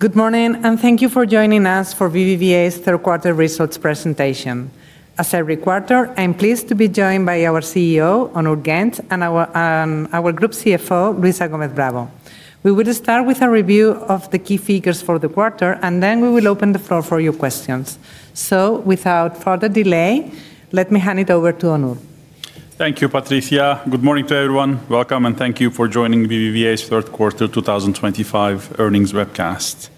Good morning and thank you for joining us for BBVA's third quarter results presentation. As every quarter, I'm pleased to be joined by our CEO, Onur Genç, and our Group CFO, Luisa Gómez Bravo. We will start with a review of the key figures for the quarter, and then we will open the floor for your questions. Without further delay, let me hand it over to Onur. Thank you, Patricia. Good morning to everyone. Welcome and thank you for joining BBVA's third quarter 2025 earnings webcast.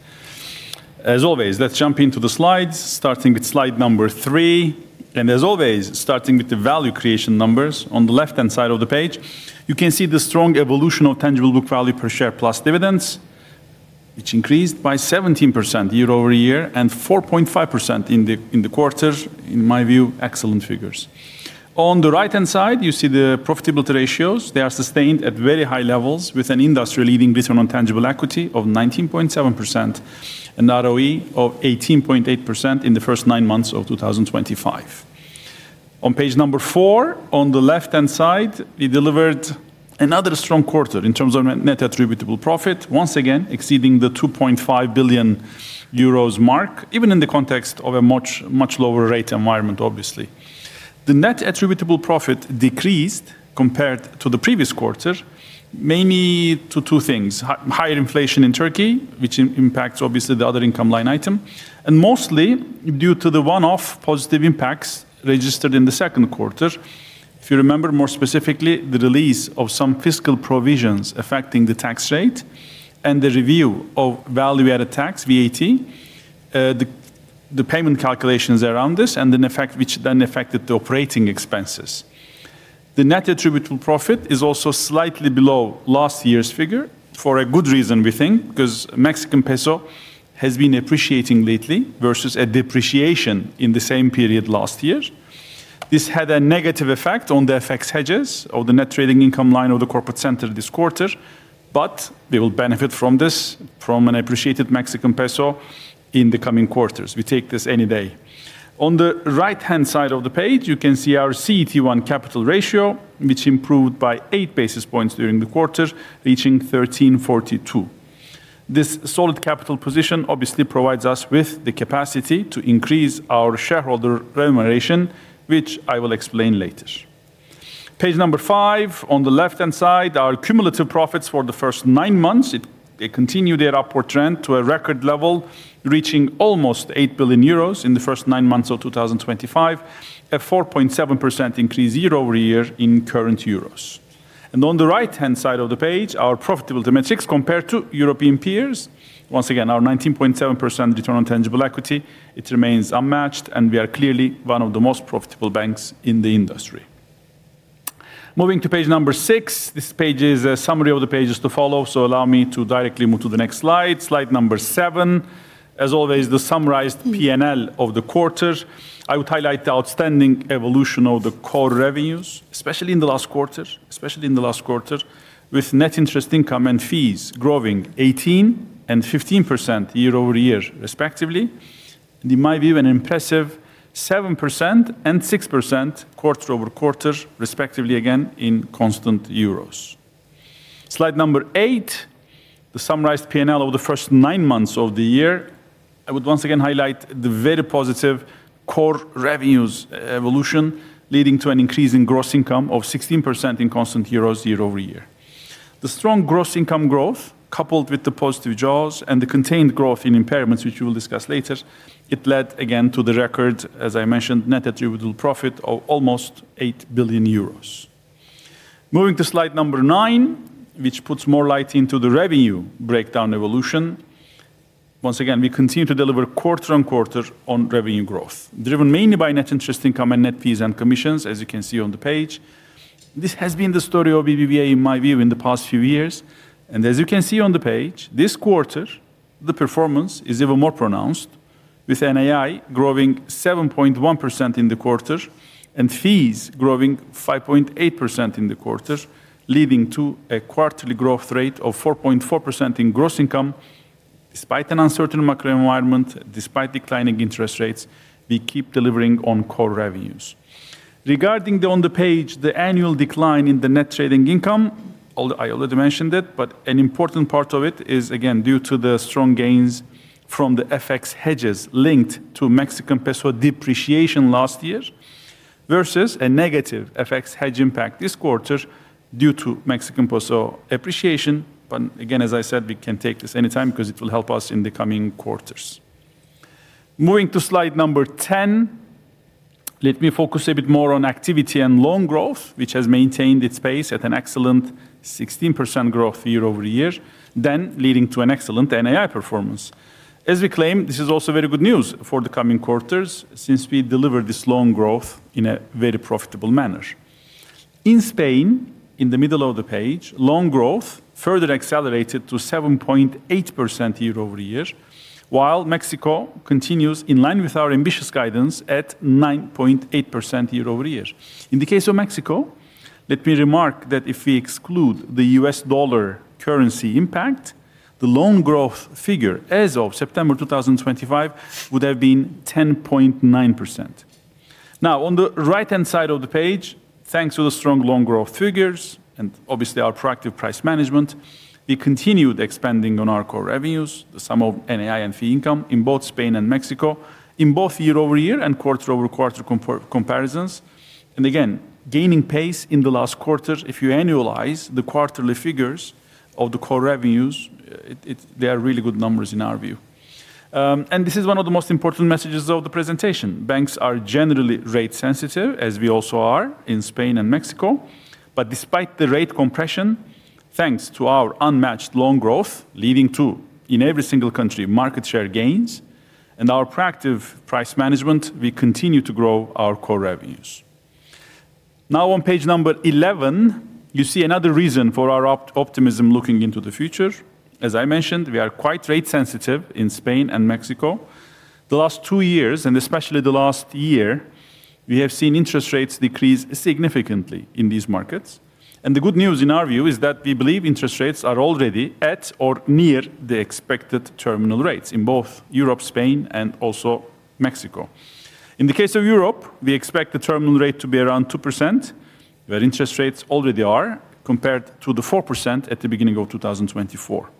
As always, let's jump into the slides, starting with slide number three. As always, starting with the value creation numbers. On the left-hand side of the page, you can see the strong evolution of tangible book value per share plus dividends, which increased by 17% year over year and 4.5% in the quarter. In my view, excellent figures. On the right-hand side, you see the profitability ratios. They are sustained at very high levels, with an industry-leading return on tangible equity of 19.7% and an ROE of 18.8% in the first nine months of 2025. On page number four, on the left-hand side, we delivered another strong quarter in terms of net attributable profit, once again exceeding the 2.5 billion euros mark, even in the context of a much lower rate environment, obviously. The net attributable profit decreased compared to the previous quarter, mainly due to two things: higher inflation in Turkey, which impacts obviously the other income line item, and mostly due to the one-off positive impacts registered in the second quarter. If you remember more specifically, the release of some fiscal provisions affecting the tax rate and the review of value-added tax, VAT, the payment calculations around this, and the effect which then affected the operating expenses. The net attributable profit is also slightly below last year's figure for a good reason, we think, because Mexican peso has been appreciating lately versus a depreciation in the same period last year. This had a negative effect on the FX hedges or the net trading income line of the corporate center this quarter, but they will benefit from this, from an appreciated Mexican peso in the coming quarters. We take this any day. On the right-hand side of the page, you can see our CET1 capital ratio, which improved by 8 basis points during the quarter, reaching 13.42%. This solid capital position obviously provides us with the capacity to increase our shareholder remuneration, which I will explain later. Page number five, on the left-hand side, our cumulative profits for the first nine months. They continue their upward trend to a record level, reaching almost 8 billion euros in the first nine months of 2025, a 4.7% increase year over year in current euros. On the right-hand side of the page, our profitability metrics compared to European peers. Once again, our 19.7% return on tangible equity, it remains unmatched, and we are clearly one of the most profitable banks in the industry. Moving to page number six, this page is a summary of the pages to follow, so allow me to directly move to the next slide. Slide number seven. As always, the summarized P&L of the quarter. I would highlight the outstanding evolution of the core revenues, especially in the last quarter, with net interest income and fees growing 18% and 15% year over year, respectively. In my view, an impressive 7% and 6% quarter over quarter, respectively, again in constant euros. Slide number eight, the summarized P&L over the first nine months of the year. I would once again highlight the very positive core revenues evolution, leading to an increase in gross income of 16% in constant euros year over year. The strong gross income growth, coupled with the positive jobs and the contained growth in impairments, which we will discuss later, led again to the record, as I mentioned, net attributable profit of almost 8 billion euros. Moving to slide number nine, which puts more light into the revenue breakdown evolution. Once again, we continue to deliver quarter on quarter on revenue growth, driven mainly by net interest income and net fees and commissions, as you can see on the page. This has been the story of Banco Bilbao Vizcaya Argentaria in my view in the past few years. As you can see on the page, this quarter, the performance is even more pronounced, with NAI growing 7.1% in the quarter and fees growing 5.8% in the quarter, leading to a quarterly growth rate of 4.4% in gross income. Despite an uncertain macro environment, despite declining interest rates, we keep delivering on core revenues. Regarding the annual decline in the net trading income, I already mentioned it, but an important part of it is again due to the strong gains from the FX hedges linked to Mexican peso depreciation last year versus a negative FX hedge impact this quarter due to Mexican peso appreciation. As I said, we can take this any time because it will help us in the coming quarters. Moving to slide number 10, let me focus a bit more on activity and loan growth, which has maintained its pace at an excellent 16% growth year over year, then leading to an excellent NAI performance. As we claim, this is also very good news for the coming quarters since we deliver this loan growth in a very profitable manner. In Spain, in the middle of the page, loan growth further accelerated to 7.8% year over year, while Mexico continues in line with our ambitious guidance at 9.8% year over year. In the case of Mexico, let me remark that if we exclude the U.S. dollar currency impact, the loan growth figure as of September 2025 would have been 10.9%. Now, on the right-hand side of the page, thanks to the strong loan growth figures and obviously our proactive price management, we continued expanding on our core revenues, the sum of NAI and fee income in both Spain and Mexico, in both year over year and quarter over quarter comparisons. Again, gaining pace in the last quarter. If you annualize the quarterly figures of the core revenues, they are really good numbers in our view. This is one of the most important messages of the presentation. Banks are generally rate sensitive, as we also are in Spain and Mexico. Despite the rate compression, thanks to our unmatched loan growth, leading to, in every single country, market share gains and our proactive price management, we continue to grow our core revenues. Now, on page number 11, you see another reason for our optimism looking into the future. As I mentioned, we are quite rate sensitive in Spain and Mexico. The last two years, and especially the last year, we have seen interest rates decrease significantly in these markets. The good news in our view is that we believe interest rates are already at or near the expected terminal rates in both Europe, Spain, and also Mexico. In the case of Europe, we expect the terminal rate to be around 2%, where interest rates already are compared to the 4% at the beginning of 2024.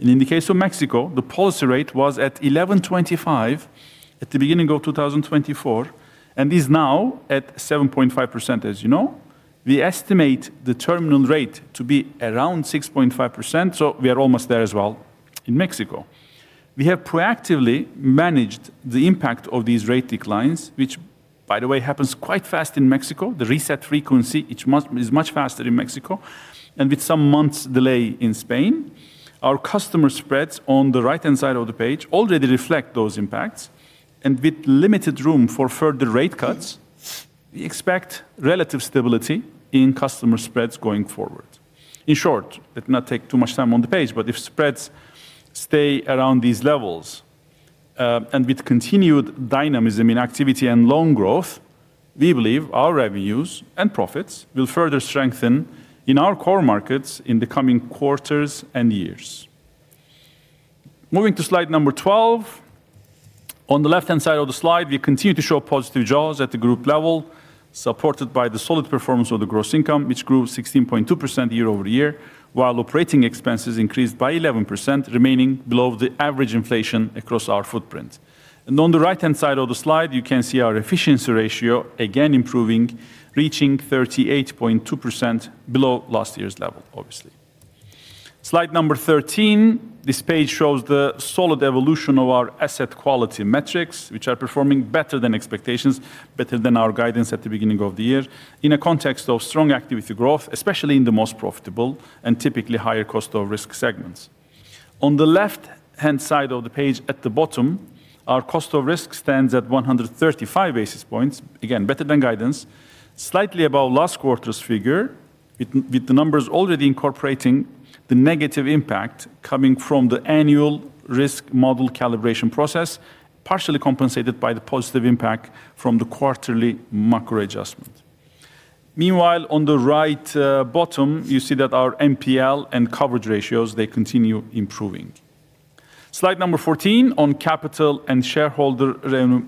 In the case of Mexico, the policy rate was at 11.25% at the beginning of 2024, and is now at 7.5%. As you know, we estimate the terminal rate to be around 6.5%, so we are almost there as well in Mexico. We have proactively managed the impact of these rate declines, which, by the way, happens quite fast in Mexico. The reset frequency is much faster in Mexico, and with some months' delay in Spain, our customer spreads on the right-hand side of the page already reflect those impacts. With limited room for further rate cuts, we expect relative stability in customer spreads going forward. In short, let's not take too much time on the page, but if spreads stay around these levels, and with continued dynamism in activity and loan growth, we believe our revenues and profits will further strengthen in our core markets in the coming quarters and years. Moving to slide number 12, on the left-hand side of the slide, we continue to show positive jaws at the group level, supported by the solid performance of the gross income, which grew 16.2% year over year, while operating expenses increased by 11%, remaining below the average inflation across our footprint. On the right-hand side of the slide, you can see our efficiency ratio again improving, reaching 38.2%, below last year's level, obviously. Slide number 13, this page shows the solid evolution of our asset quality metrics, which are performing better than expectations, better than our guidance at the beginning of the year, in a context of strong activity growth, especially in the most profitable and typically higher cost-of-risk segments. On the left-hand side of the page, at the bottom, our cost of risk stands at 135 basis points, again better than guidance, slightly above last quarter's figure, with the numbers already incorporating the negative impact coming from the annual risk model calibration process, partially compensated by the positive impact from the quarterly macro adjustment. Meanwhile, on the right bottom, you see that our MPL and coverage ratios, they continue improving. Slide number 14, on capital and shareholder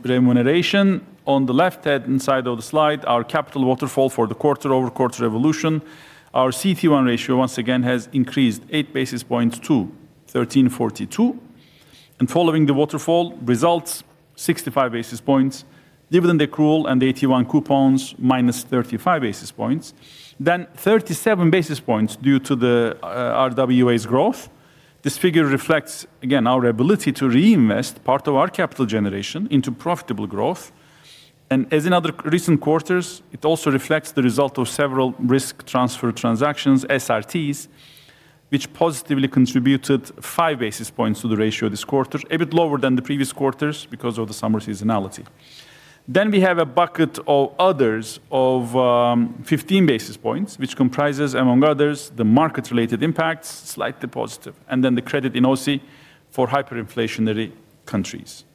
remuneration. On the left-hand side of the slide, our capital waterfall for the quarter over quarter evolution. Our CET1 ratio, once again, has increased 8 basis points to 13.42%. Following the waterfall results, 65 basis points, dividend accrual and AT1 coupons minus 35 basis points, then 37 basis points due to the RWA's growth. This figure reflects, again, our ability to reinvest part of our capital generation into profitable growth. As in other recent quarters, it also reflects the result of several risk transfer transactions, SRTs, which positively contributed 5 basis points to the ratio this quarter, a bit lower than the previous quarters because of the summer seasonality. We have a bucket of others of 15 basis points, which comprises, among others, the market-related impacts, slightly positive, and the credit in OC for hyperinflationary countries.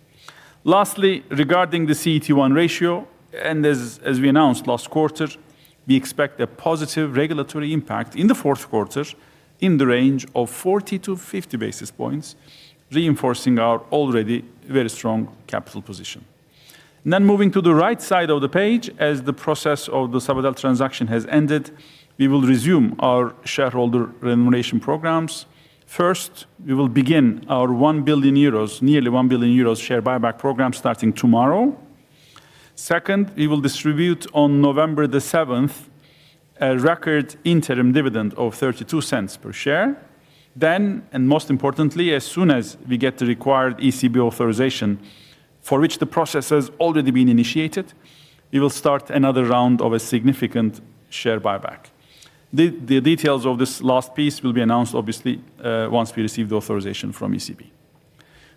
Lastly, regarding the CET1 ratio, and as we announced last quarter, we expect a positive regulatory impact in the fourth quarter in the range of 40 to 50 basis points, reinforcing our already very strong capital position. Moving to the right side of the page, as the process of the Sabadell transaction has ended, we will resume our shareholder remuneration programs. First, we will begin our 1 billion euros, nearly 1 billion euros share buyback program starting tomorrow. Second, we will distribute on November 7 a record interim dividend of 0.32 per share. Most importantly, as soon as we get the required ECB authorization, for which the process has already been initiated, we will start another round of a significant share buyback. The details of this last piece will be announced, obviously, once we receive the authorization from ECB.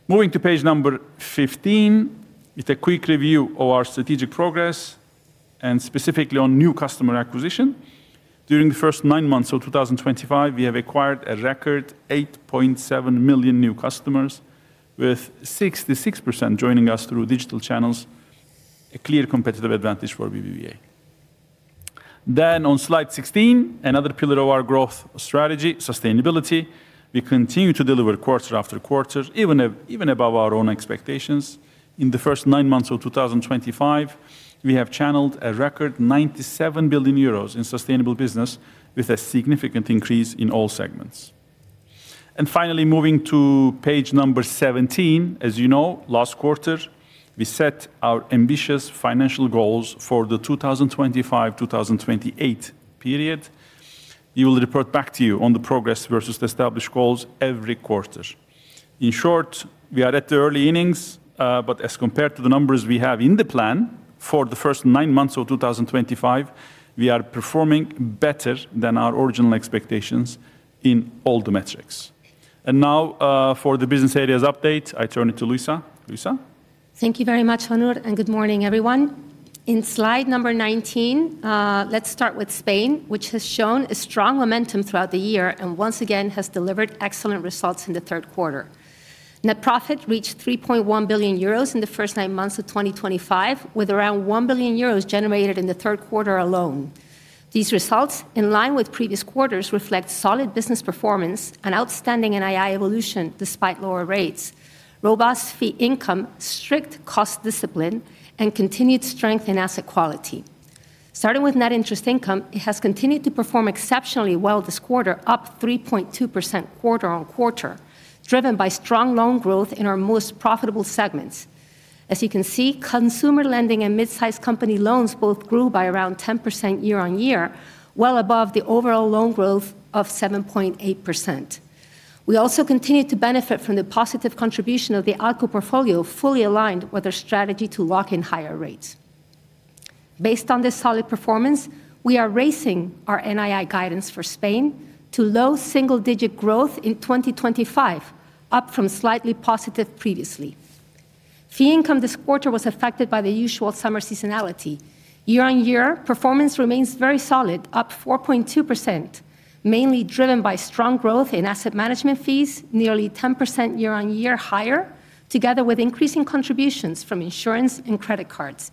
Moving to page number 15, it's a quick review of our strategic progress and specifically on new customer acquisition. During the first nine months of 2025, we have acquired a record 8.7 million new customers, with 66% joining us through digital channels, a clear competitive advantage for BBVA. On slide 16, another pillar of our growth strategy, sustainability. We continue to deliver quarter after quarter, even above our own expectations. In the first nine months of 2025, we have channeled a record 97 billion euros in sustainable business, with a significant increase in all segments. Finally, moving to page number 17, as you know, last quarter, we set our ambitious financial goals for the 2025-2028 period. We will report back to you on the progress versus the established goals every quarter. In short, we are at the early innings, but as compared to the numbers we have in the plan for the first nine months of 2025, we are performing better than our original expectations in all the metrics. Now, for the business areas update, I turn it to Luisa. Luisa. Thank you very much, Onur, and good morning, everyone. In slide number 19, let's start with Spain, which has shown a strong momentum throughout the year and once again has delivered excellent results in the third quarter. Net profit reached 3.1 billion euros in the first nine months of 2025, with around 1 billion euros generated in the third quarter alone. These results, in line with previous quarters, reflect solid business performance and outstanding NAI evolution despite lower rates, robust fee income, strict cost discipline, and continued strength in asset quality. Starting with net interest income, it has continued to perform exceptionally well this quarter, up 3.2% quarter on quarter, driven by strong loan growth in our most profitable segments. As you can see, consumer lending and mid-sized company loans both grew by around 10% year on year, well above the overall loan growth of 7.8%. We also continue to benefit from the positive contribution of the ACO portfolio, fully aligned with our strategy to lock in higher rates. Based on this solid performance, we are raising our NAI guidance for Spain to low single-digit growth in 2025, up from slightly positive previously. Fee income this quarter was affected by the usual summer seasonality. Year on year, performance remains very solid, up 4.2%, mainly driven by strong growth in asset management fees, nearly 10% year on year higher, together with increasing contributions from insurance and credit cards.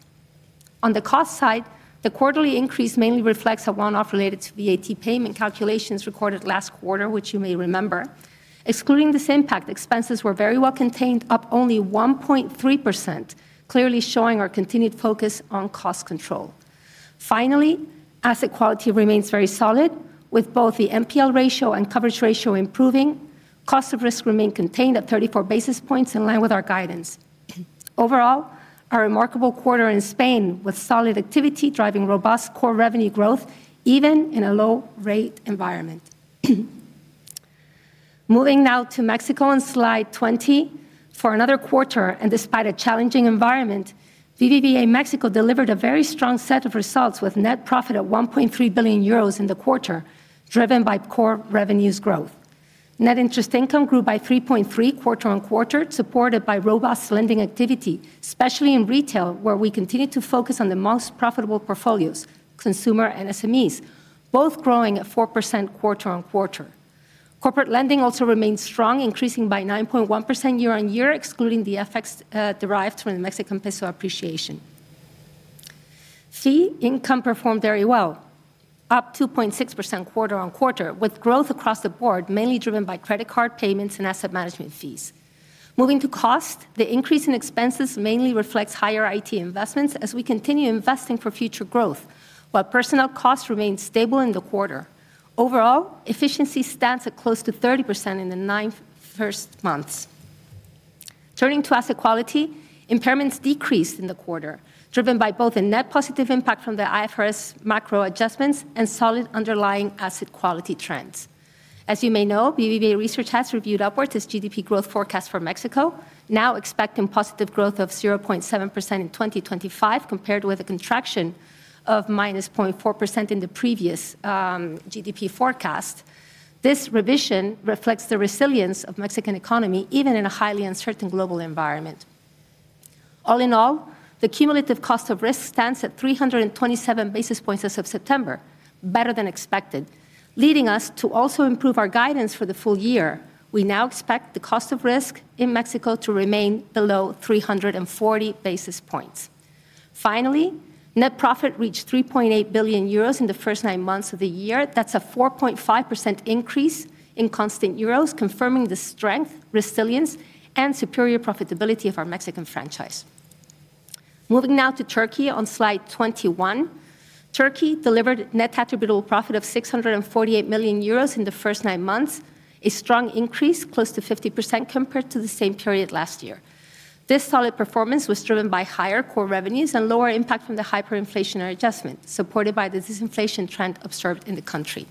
On the cost side, the quarterly increase mainly reflects a one-off related to VAT payment calculations recorded last quarter, which you may remember. Excluding this impact, expenses were very well contained, up only 1.3%, clearly showing our continued focus on cost control. Finally, asset quality remains very solid, with both the MPL ratio and coverage ratio improving. Cost of risk remained contained at 34 basis points, in line with our guidance. Overall, a remarkable quarter in Spain, with solid activity driving robust core revenue growth, even in a low-rate environment. Moving now to Mexico on slide 20. For another quarter, and despite a challenging environment, BBVA Mexico delivered a very strong set of results with net profit at 1.3 billion euros in the quarter, driven by core revenues growth. Net interest income grew by 3.3% quarter on quarter, supported by robust lending activity, especially in retail, where we continue to focus on the most profitable portfolios, consumer and SMEs, both growing at 4% quarter on quarter. Corporate lending also remains strong, increasing by 9.1% year on year, excluding the effects derived from the Mexican peso appreciation. Fee income performed very well, up 2.6% quarter on quarter, with growth across the board, mainly driven by credit card payments and asset management fees. Moving to cost, the increase in expenses mainly reflects higher IT investments as we continue investing for future growth, while personnel costs remain stable in the quarter. Overall, efficiency stands at close to 30% in the nine first months. Turning to asset quality, impairments decreased in the quarter, driven by both a net positive impact from the IFRS macro adjustments and solid underlying asset quality trends. As you may know, BBVA Research has reviewed upwards its GDP growth forecast for Mexico, now expecting positive growth of 0.7% in 2025, compared with a contraction of -0.4% in the previous GDP forecast. This revision reflects the resilience of the Mexican economy, even in a highly uncertain global environment. All in all, the cumulative cost of risk stands at 327 basis points as of September, better than expected, leading us to also improve our guidance for the full year. We now expect the cost of risk in Mexico to remain below 340 basis points. Finally, net profit reached 3.8 billion euros in the first nine months of the year. That's a 4.5% increase in constant euros, confirming the strength, resilience, and superior profitability of our Mexican franchise. Moving now to Turkey on slide 21. Turkey delivered a net attributable profit of 648 million euros in the first nine months, a strong increase, close to 50% compared to the same period last year. This solid performance was driven by higher core revenues and lower impact from the hyperinflationary adjustment, supported by the disinflation trend observed in the country.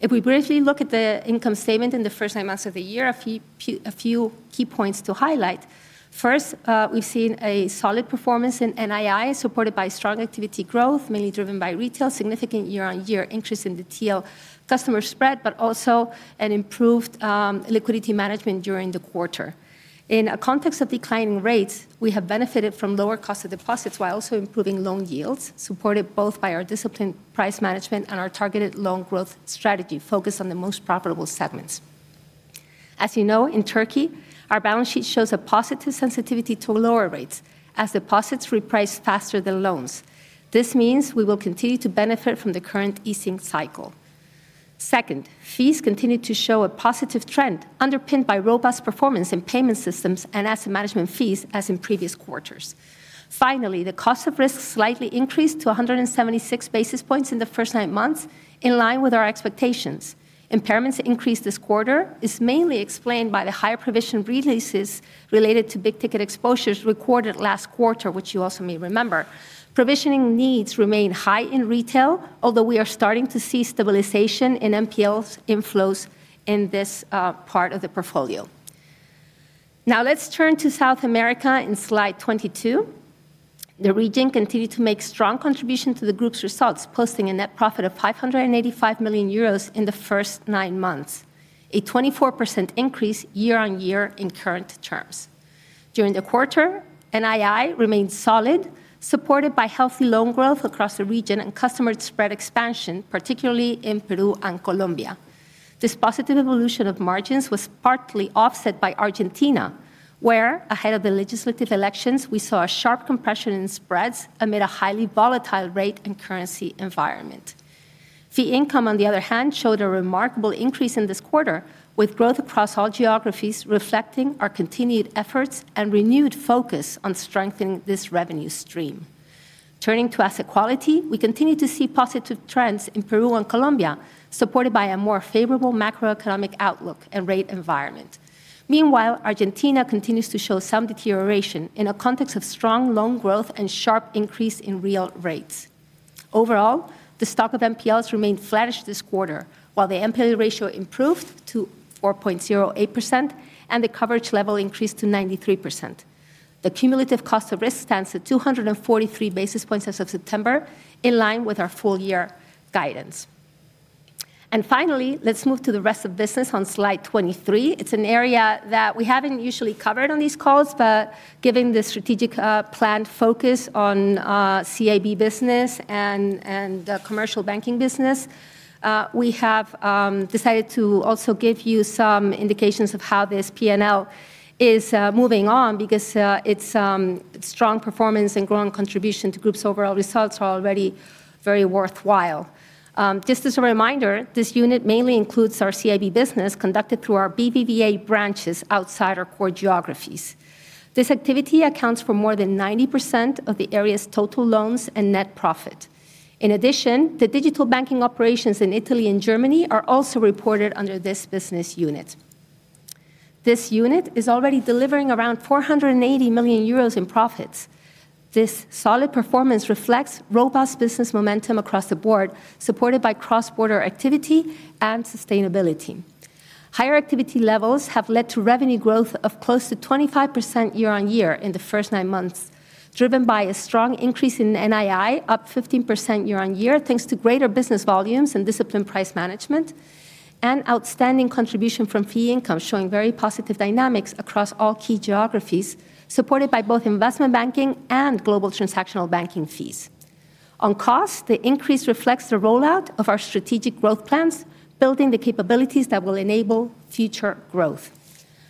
If we briefly look at the income statement in the first nine months of the year, a few key points to highlight. First, we've seen a solid performance in NAI, supported by strong activity growth, mainly driven by retail, significant year-on-year increase in the TL customer spread, but also an improved liquidity management during the quarter. In a context of declining rates, we have benefited from lower cost of deposits while also improving loan yields, supported both by our disciplined price management and our targeted loan growth strategy, focused on the most profitable segments. As you know, in Turkey, our balance sheet shows a positive sensitivity to lower rates, as deposits reprice faster than loans. This means we will continue to benefit from the current easing cycle. Second, fees continue to show a positive trend, underpinned by robust performance in payment systems and asset management fees, as in previous quarters. Finally, the cost of risk slightly increased to 176 basis points in the first nine months, in line with our expectations. Impairments increased this quarter, mainly explained by the higher provision releases related to big ticket exposures recorded last quarter, which you also may remember. Provisioning needs remain high in retail, although we are starting to see stabilization in NPL inflows in this part of the portfolio. Now let's turn to South America in slide 22. The region continued to make a strong contribution to the group's results, posting a net profit of 585 million euros in the first nine months, a 24% increase year on year in current terms. During the quarter, NII remained solid, supported by healthy loan growth across the region and customer spread expansion, particularly in Peru and Colombia. This positive evolution of margins was partly offset by Argentina, where, ahead of the legislative elections, we saw a sharp compression in spreads amid a highly volatile rate and currency environment. Fee income, on the other hand, showed a remarkable increase in this quarter, with growth across all geographies, reflecting our continued efforts and renewed focus on strengthening this revenue stream. Turning to asset quality, we continue to see positive trends in Peru and Colombia, supported by a more favorable macroeconomic outlook and rate environment. Meanwhile, Argentina continues to show some deterioration in a context of strong loan growth and sharp increase in real rates. Overall, the stock of NPLs remained flattish this quarter, while the NPL ratio improved to 4.08% and the coverage level increased to 93%. The cumulative cost of risk stands at 243 basis points as of September, in line with our full year guidance. Finally, let's move to the rest of business on slide 23. It's an area that we haven't usually covered on these calls, but given the strategic planned focus on CIB business and commercial banking business, we have decided to also give you some indications of how this P&L is moving on because its strong performance and growing contribution to group's overall results are already very worthwhile. Just as a reminder, this unit mainly includes our CIB business conducted through our BBVA branches outside our core geographies. This activity accounts for more than 90% of the area's total loans and net profit. In addition, the digital banking operations in Italy and Germany are also reported under this business unit. This unit is already delivering around 480 million euros in profits. This solid performance reflects robust business momentum across the board, supported by cross-border activity and sustainability. Higher activity levels have led to revenue growth of close to 25% year on year in the first nine months, driven by a strong increase in NII, up 15% year on year, thanks to greater business volumes and disciplined price management, and outstanding contribution from fee income, showing very positive dynamics across all key geographies, supported by both investment banking and global transactional banking fees. On cost, the increase reflects the rollout of our strategic growth plans, building the capabilities that will enable future growth.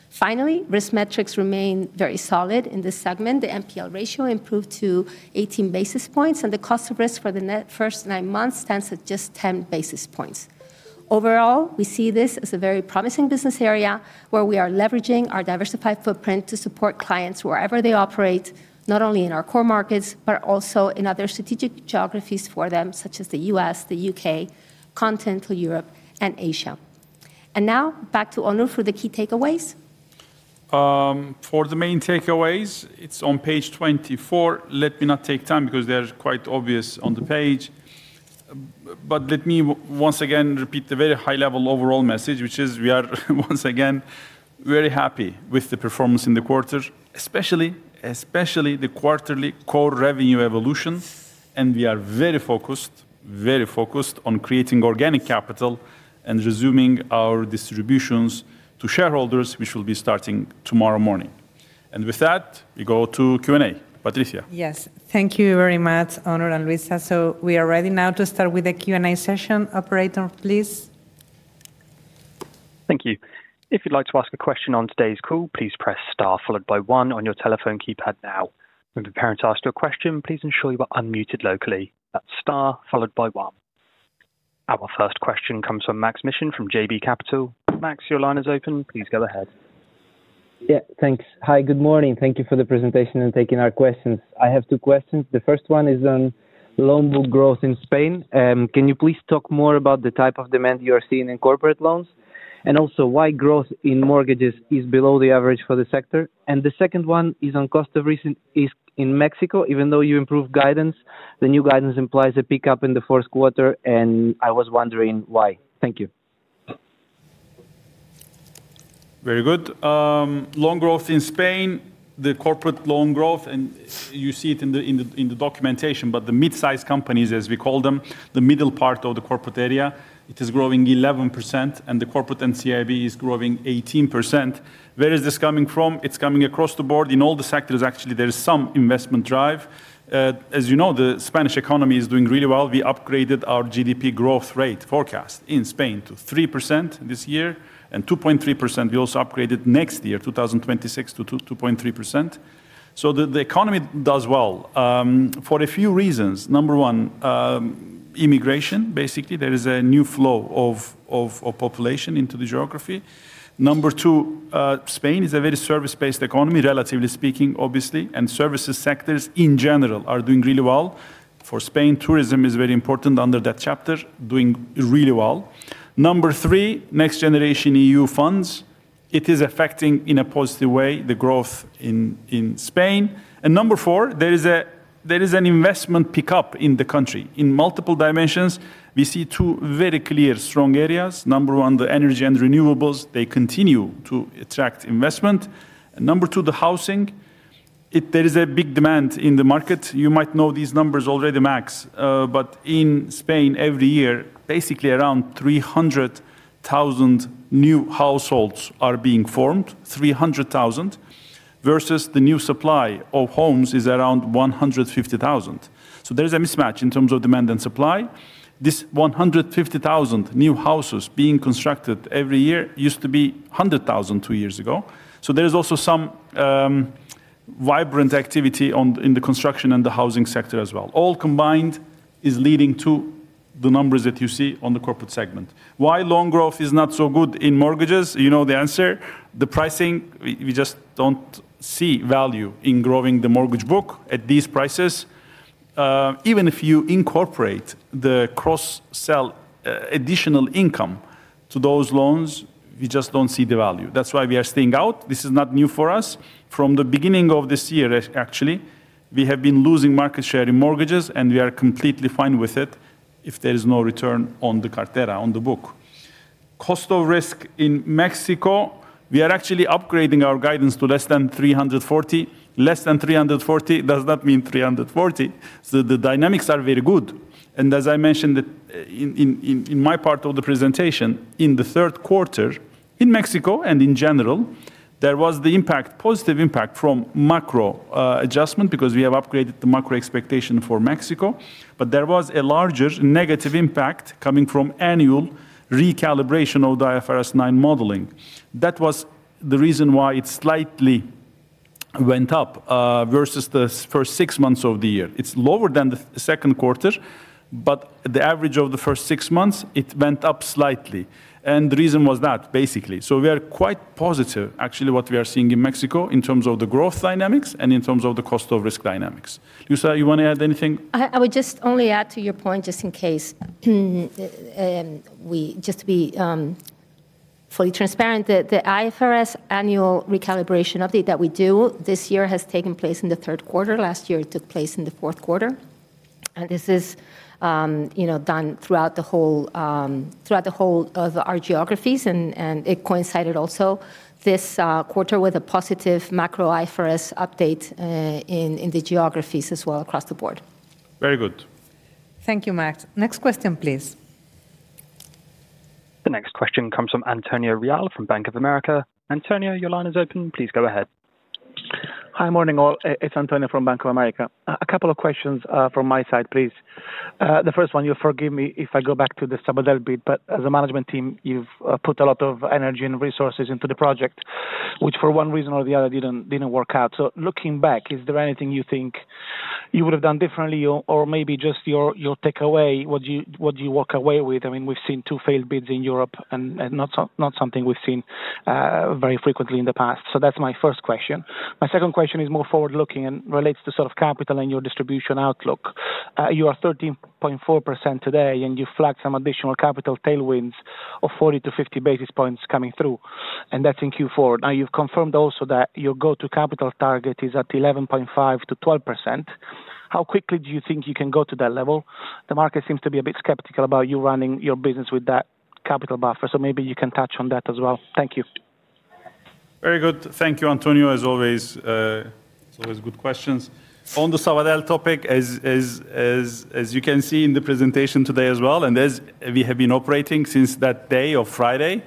Finally, risk metrics remain very solid in this segment. The NPL ratio improved to 18 basis points, and the cost of risk for the first nine months stands at just 10 basis points. Overall, we see this as a very promising business area where we are leveraging our diversified footprint to support clients wherever they operate, not only in our core markets, but also in other strategic geographies for them, such as the U.S., the U.K., continental Europe, and Asia. Now back to Onur for the key takeaways. For the main takeaways, it's on page 24. Let me not take time because they're quite obvious on the page. Let me once again repeat the very high-level overall message, which is we are once again very happy with the performance in the quarter, especially the quarterly core revenue evolution. We are very focused, very focused on creating organic capital and resuming our distributions to shareholders, which will be starting tomorrow morning. With that, we go to Q&A. Patricia. Yes, thank you very much, Onur and Luisa. We are ready now to start with the Q&A session. Operator, please. Thank you. If you'd like to ask a question on today's call, please press star followed by 1 on your telephone keypad now. If a parent asked you a question, please ensure you are unmuted locally. That's star followed by 1. Our first question comes from Maks Mishyn from JB Capital. Max, your line is open. Please go ahead. Yeah, thanks. Hi, good morning. Thank you for the presentation and taking our questions. I have two questions. The first one is on loan book growth in Spain. Can you please talk more about the type of demand you are seeing in corporate loans? Also, why growth in mortgages is below the average for the sector? The second one is on cost of risk in Mexico. Even though you improved guidance, the new guidance implies a pickup in the first quarter, and I was wondering why. Thank you. Very good. Loan growth in Spain, the corporate loan growth, and you see it in the documentation, but the mid-sized companies, as we call them, the middle part of the corporate area, it is growing 11%, and the corporate and CIB is growing 18%. Where is this coming from? It's coming across the board in all the sectors, actually. There is some investment drive. As you know, the Spanish economy is doing really well. We upgraded our GDP growth rate forecast in Spain to 3% this year and 2.3%. We also upgraded next year, 2026, to 2.3%. The economy does well for a few reasons. Number one, immigration, basically. There is a new flow of population into the geography. Number two, Spain is a very service-based economy, relatively speaking, obviously, and services sectors in general are doing really well. For Spain, tourism is very important under that chapter, doing really well. Number three, next-generation EU funds, it is affecting in a positive way the growth in Spain. Number four, there is an investment pickup in the country. In multiple dimensions, we see two very clear strong areas. Number one, the energy and renewables, they continue to attract investment. Number two, the housing. There is a big demand in the market. You might know these numbers already, Max. In Spain, every year, basically around 300,000 new households are being formed, 300,000, versus the new supply of homes is around 150,000. There is a mismatch in terms of demand and supply. This 150,000 new houses being constructed every year used to be 100,000 two years ago. There is also some vibrant activity in the construction and the housing sector as well. All combined is leading to the numbers that you see on the corporate segment. Why loan growth is not so good in mortgages? You know the answer. The pricing, we just don't see value in growing the mortgage book at these prices. Even if you incorporate the cross-sell additional income to those loans, we just don't see the value. That's why we are staying out. This is not new for us. From the beginning of this year, actually, we have been losing market share in mortgages, and we are completely fine with it if there is no return on the cartera, on the book. Cost of risk in Mexico, we are actually upgrading our guidance to less than 340. Less than 340 does not mean 340. The dynamics are very good. As I mentioned in my part of the presentation, in the third quarter in Mexico and in general, there was the impact, positive impact from macro adjustment because we have upgraded the macro expectation for Mexico. There was a larger negative impact coming from annual recalibration of the IFRS 9 modeling. That was the reason why it slightly went up versus the first six months of the year. It's lower than the second quarter, but the average of the first six months, it went up slightly. The reason was that, basically. We are quite positive, actually, about what we are seeing in Mexico in terms of the growth dynamics and in terms of the cost of risk dynamics. Luisa, you want to add anything? I would just add to your point, just in case, just to be fully transparent, the IFRS annual recalibration update that we do this year has taken place in the third quarter. Last year, it took place in the fourth quarter. This is done throughout the whole of our geographies, and it coincided also this quarter with a positive macro IFRS update in the geographies as well across the board. Very good. Thank you, Max. Next question, please. The next question comes from Antonio Reale from Bank of America. Antonio, your line is open. Please go ahead. Hi, morning all. It's Antonio from Bank of America. A couple of questions from my side, please. The first one, you forgive me if I go back to the Sabadell bit, but as a management team, you've put a lot of energy and resources into the project, which for one reason or the other didn't work out. Looking back, is there anything you think you would have done differently or maybe just your takeaway? What do you walk away with? I mean, we've seen two failed bids in Europe and not something we've seen very frequently in the past. That's my first question. My second question is more forward-looking and relates to sort of capital and your distribution outlook. You are at 13.4% today, and you flagged some additional capital tailwinds of 40 to 50 basis points coming through, and that's in Q4. Now you've confirmed also that your go-to capital target is at 11.5%-12%. How quickly do you think you can go to that level? The market seems to be a bit skeptical about you running your business with that capital buffer. Maybe you can touch on that as well. Thank you. Very good. Thank you, Antonio, as always. It's always good questions. On the Sabadell topic, as you can see in the presentation today as well, and as we have been operating since that day of Friday,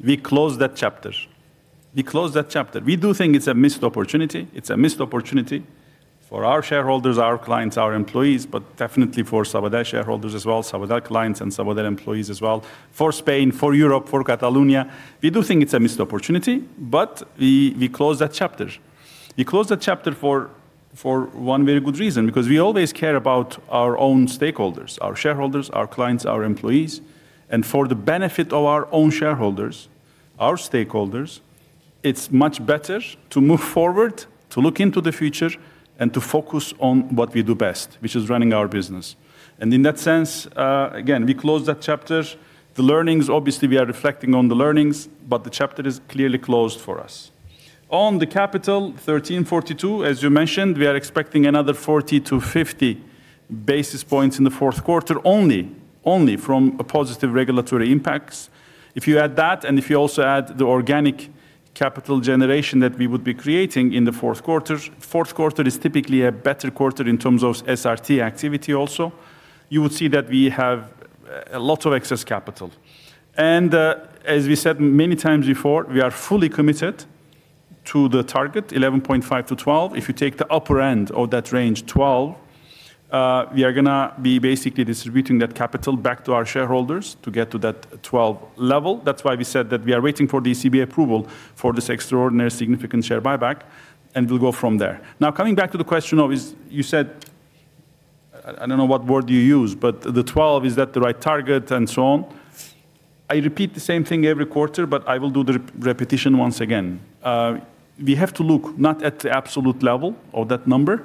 we closed that chapter. We closed that chapter. We do think it's a missed opportunity. It's a missed opportunity for our shareholders, our clients, our employees, but definitely for Sabadell shareholders as well, Sabadell clients and Sabadell employees as well, for Spain, for Europe, for Catalonia. We do think it's a missed opportunity, but we closed that chapter. We closed that chapter for one very good reason, because we always care about our own stakeholders, our shareholders, our clients, our employees. For the benefit of our own shareholders, our stakeholders, it's much better to move forward, to look into the future, and to focus on what we do best, which is running our business. In that sense, again, we closed that chapter. The learnings, obviously, we are reflecting on the learnings, but the chapter is clearly closed for us. On the capital, 13.42, as you mentioned, we are expecting another 40 to 50 basis points in the fourth quarter, only from positive regulatory impacts. If you add that, and if you also add the organic capital generation that we would be creating in the fourth quarter, the fourth quarter is typically a better quarter in terms of SRT activity also. You would see that we have a lot of excess capital. As we said many times before, we are fully committed to the target, 11.5%-12%. If you take the upper end of that range, 12%, we are going to be basically distributing that capital back to our shareholders to get to that 12% level. That's why we said that we are waiting for the ECB approval for this extraordinary significant share buyback, and we'll go from there. Now, coming back to the question of, you said, I don't know what word you used, but the 12%, is that the right target and so on? I repeat the same thing every quarter, but I will do the repetition once again. We have to look not at the absolute level of that number,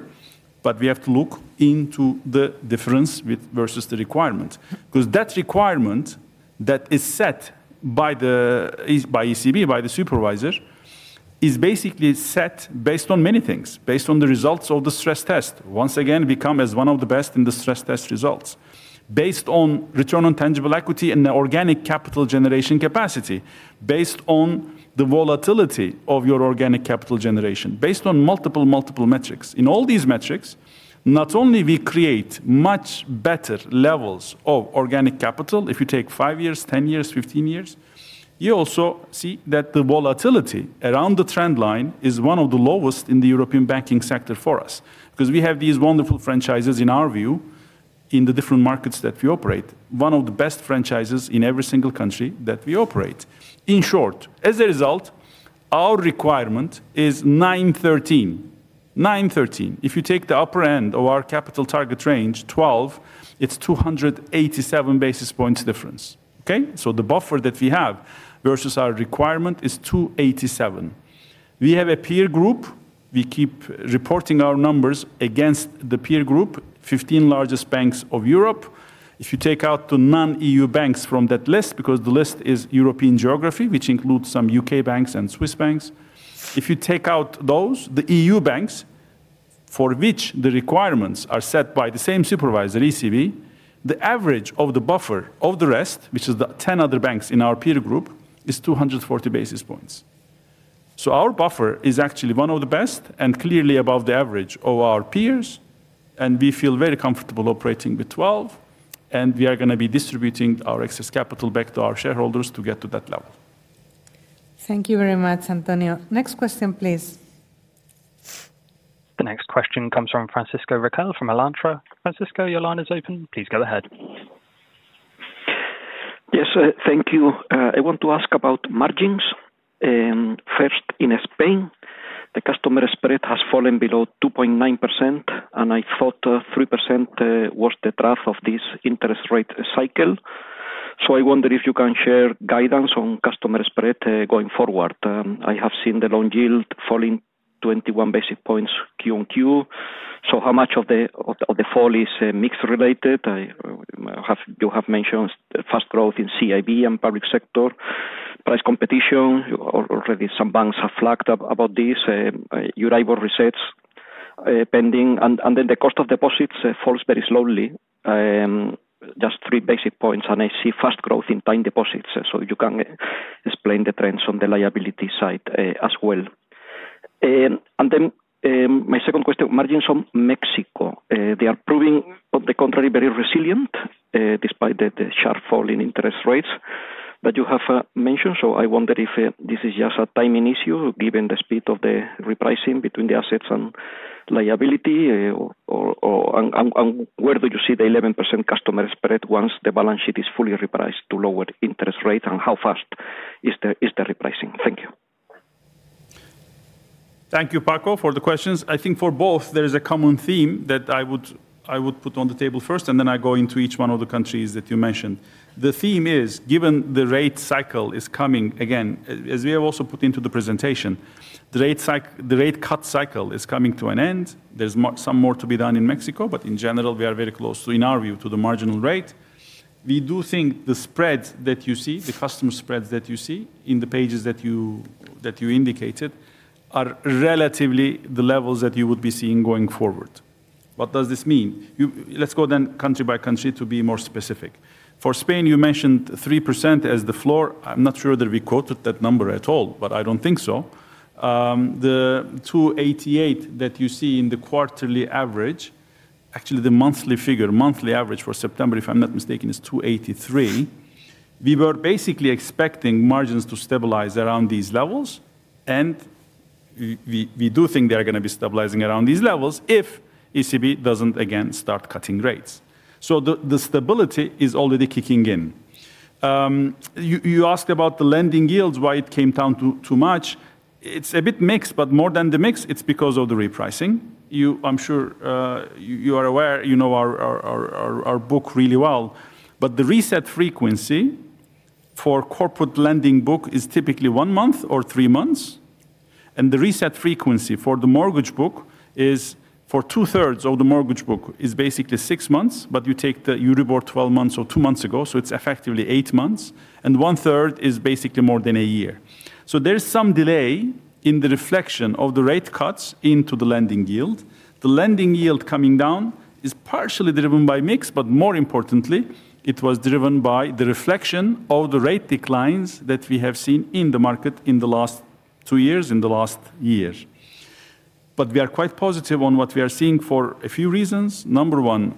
but we have to look into the difference versus the requirement. That requirement that is set by the ECB, by the supervisor, is basically set based on many things, based on the results of the stress test. Once again, we come as one of the best in the stress test results, based on return on tangible equity and the organic capital generation capacity, based on the volatility of your organic capital generation, based on multiple, multiple metrics. In all these metrics, not only do we create much better levels of organic capital, if you take five years, ten years, fifteen years, you also see that the volatility around the trend line is one of the lowest in the European banking sector for us. Because we have these wonderful franchises in our view, in the different markets that we operate, one of the best franchises in every single country that we operate. In short, as a result, our requirement is 9.13%. 9.13%. If you take the upper end of our capital target range, 12%, it's 287 basis points difference. Okay, so the buffer that we have versus our requirement is 287 basis points. We have a peer group. We keep reporting our numbers against the peer group, 15 largest banks of Europe. If you take out the non-EU banks from that list, because the list is European geography, which includes some UK banks and Swiss banks, if you take out those, the EU banks, for which the requirements are set by the same supervisor, ECB, the average of the buffer of the rest, which is the 10 other banks in our peer group, is 240 basis points. Our buffer is actually one of the best and clearly above the average of our peers, and we feel very comfortable operating with 12%, and we are going to be distributing our excess capital back to our shareholders to get to that level. Thank you very much, Antonio. Next question, please. The next question comes from Francisco Riquel from Alantra. Francisco, your line is open. Please go ahead. Yes, thank you. I want to ask about margins. First, in Spain, the customer spread has fallen below 2.9%, and I thought 3% was the trough of this interest rate cycle. I wonder if you can share guidance on customer spread going forward. I have seen the loan yield falling 21 basis points Q on Q. How much of the fall is mix related? You have mentioned fast growth in CIB and public sector. Price competition, already some banks have flagged about this. Your Euribor resets pending, and the cost of deposits falls very slowly, just three basis points, and I see fast growth in time deposits. Can you explain the trends on the liability side as well? My second question, margins on Mexico. They are proving, on the contrary, very resilient despite the sharp fall in interest rates that you have mentioned. I wonder if this is just a timing issue given the speed of the repricing between the assets and liability, and where do you see the 11% customer spread once the balance sheet is fully repriced to lower interest rates and how fast is the repricing? Thank you. Thank you, Paco, for the questions. I think for both, there is a common theme that I would put on the table first, and then I go into each one of the countries that you mentioned. The theme is, given the rate cycle is coming, again, as we have also put into the presentation, the rate cut cycle is coming to an end. There's some more to be done in Mexico, but in general, we are very close, in our view, to the marginal rate. We do think the spreads that you see, the customer spreads that you see in the pages that you indicated, are relatively the levels that you would be seeing going forward. What does this mean? Let's go then country by country to be more specific. For Spain, you mentioned 3% as the floor. I'm not sure whether we quoted that number at all, but I don't think so. The 288 that you see in the quarterly average, actually the monthly figure, monthly average for September, if I'm not mistaken, is 283. We were basically expecting margins to stabilize around these levels, and we do think they are going to be stabilizing around these levels if ECB doesn't again start cutting rates. The stability is already kicking in. You asked about the lending yields, why it came down too much. It's a bit mixed, but more than the mix, it's because of the repricing. I'm sure you are aware, you know our book really well, but the reset frequency for corporate lending book is typically one month or three months, and the reset frequency for the mortgage book is for two-thirds of the mortgage book is basically six months, but you take the Euribor 12 months or two months ago, so it's effectively eight months, and one-third is basically more than a year. There's some delay in the reflection of the rate cuts into the lending yield. The lending yield coming down is partially driven by mix, but more importantly, it was driven by the reflection of the rate declines that we have seen in the market in the last two years, in the last year. We are quite positive on what we are seeing for a few reasons. Number one,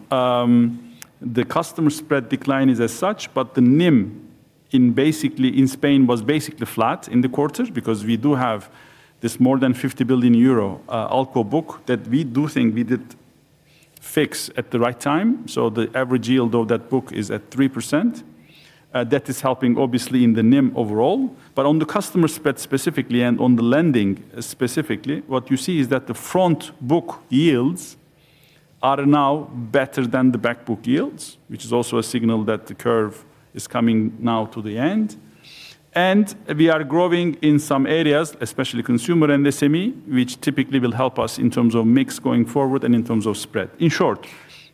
the customer spread decline is as such, but the NIM in basically Spain was basically flat in the quarter because we do have this more than 50 billion euro ALCO book that we do think we did fix at the right time. The average yield of that book is at 3%. That is helping, obviously, in the NIM overall, but on the customer spread specifically and on the lending specifically, what you see is that the front book yields are now better than the back book yields, which is also a signal that the curve is coming now to the end. We are growing in some areas, especially consumer and SME, which typically will help us in terms of mix going forward and in terms of spread. In short,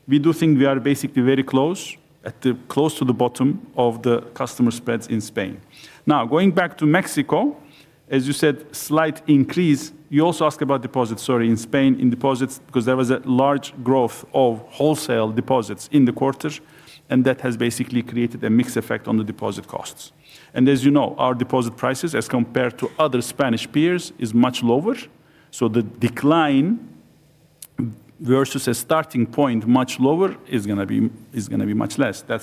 we do think we are basically very close to the bottom of the customer spreads in Spain. Now, going back to Mexico, as you said, slight increase. You also asked about deposits, sorry, in Spain in deposits because there was a large growth of wholesale deposits in the quarter, and that has basically created a mix effect on the deposit costs. As you know, our deposit prices, as compared to other Spanish peers, are much lower. The decline versus a starting point much lower is going to be much less. That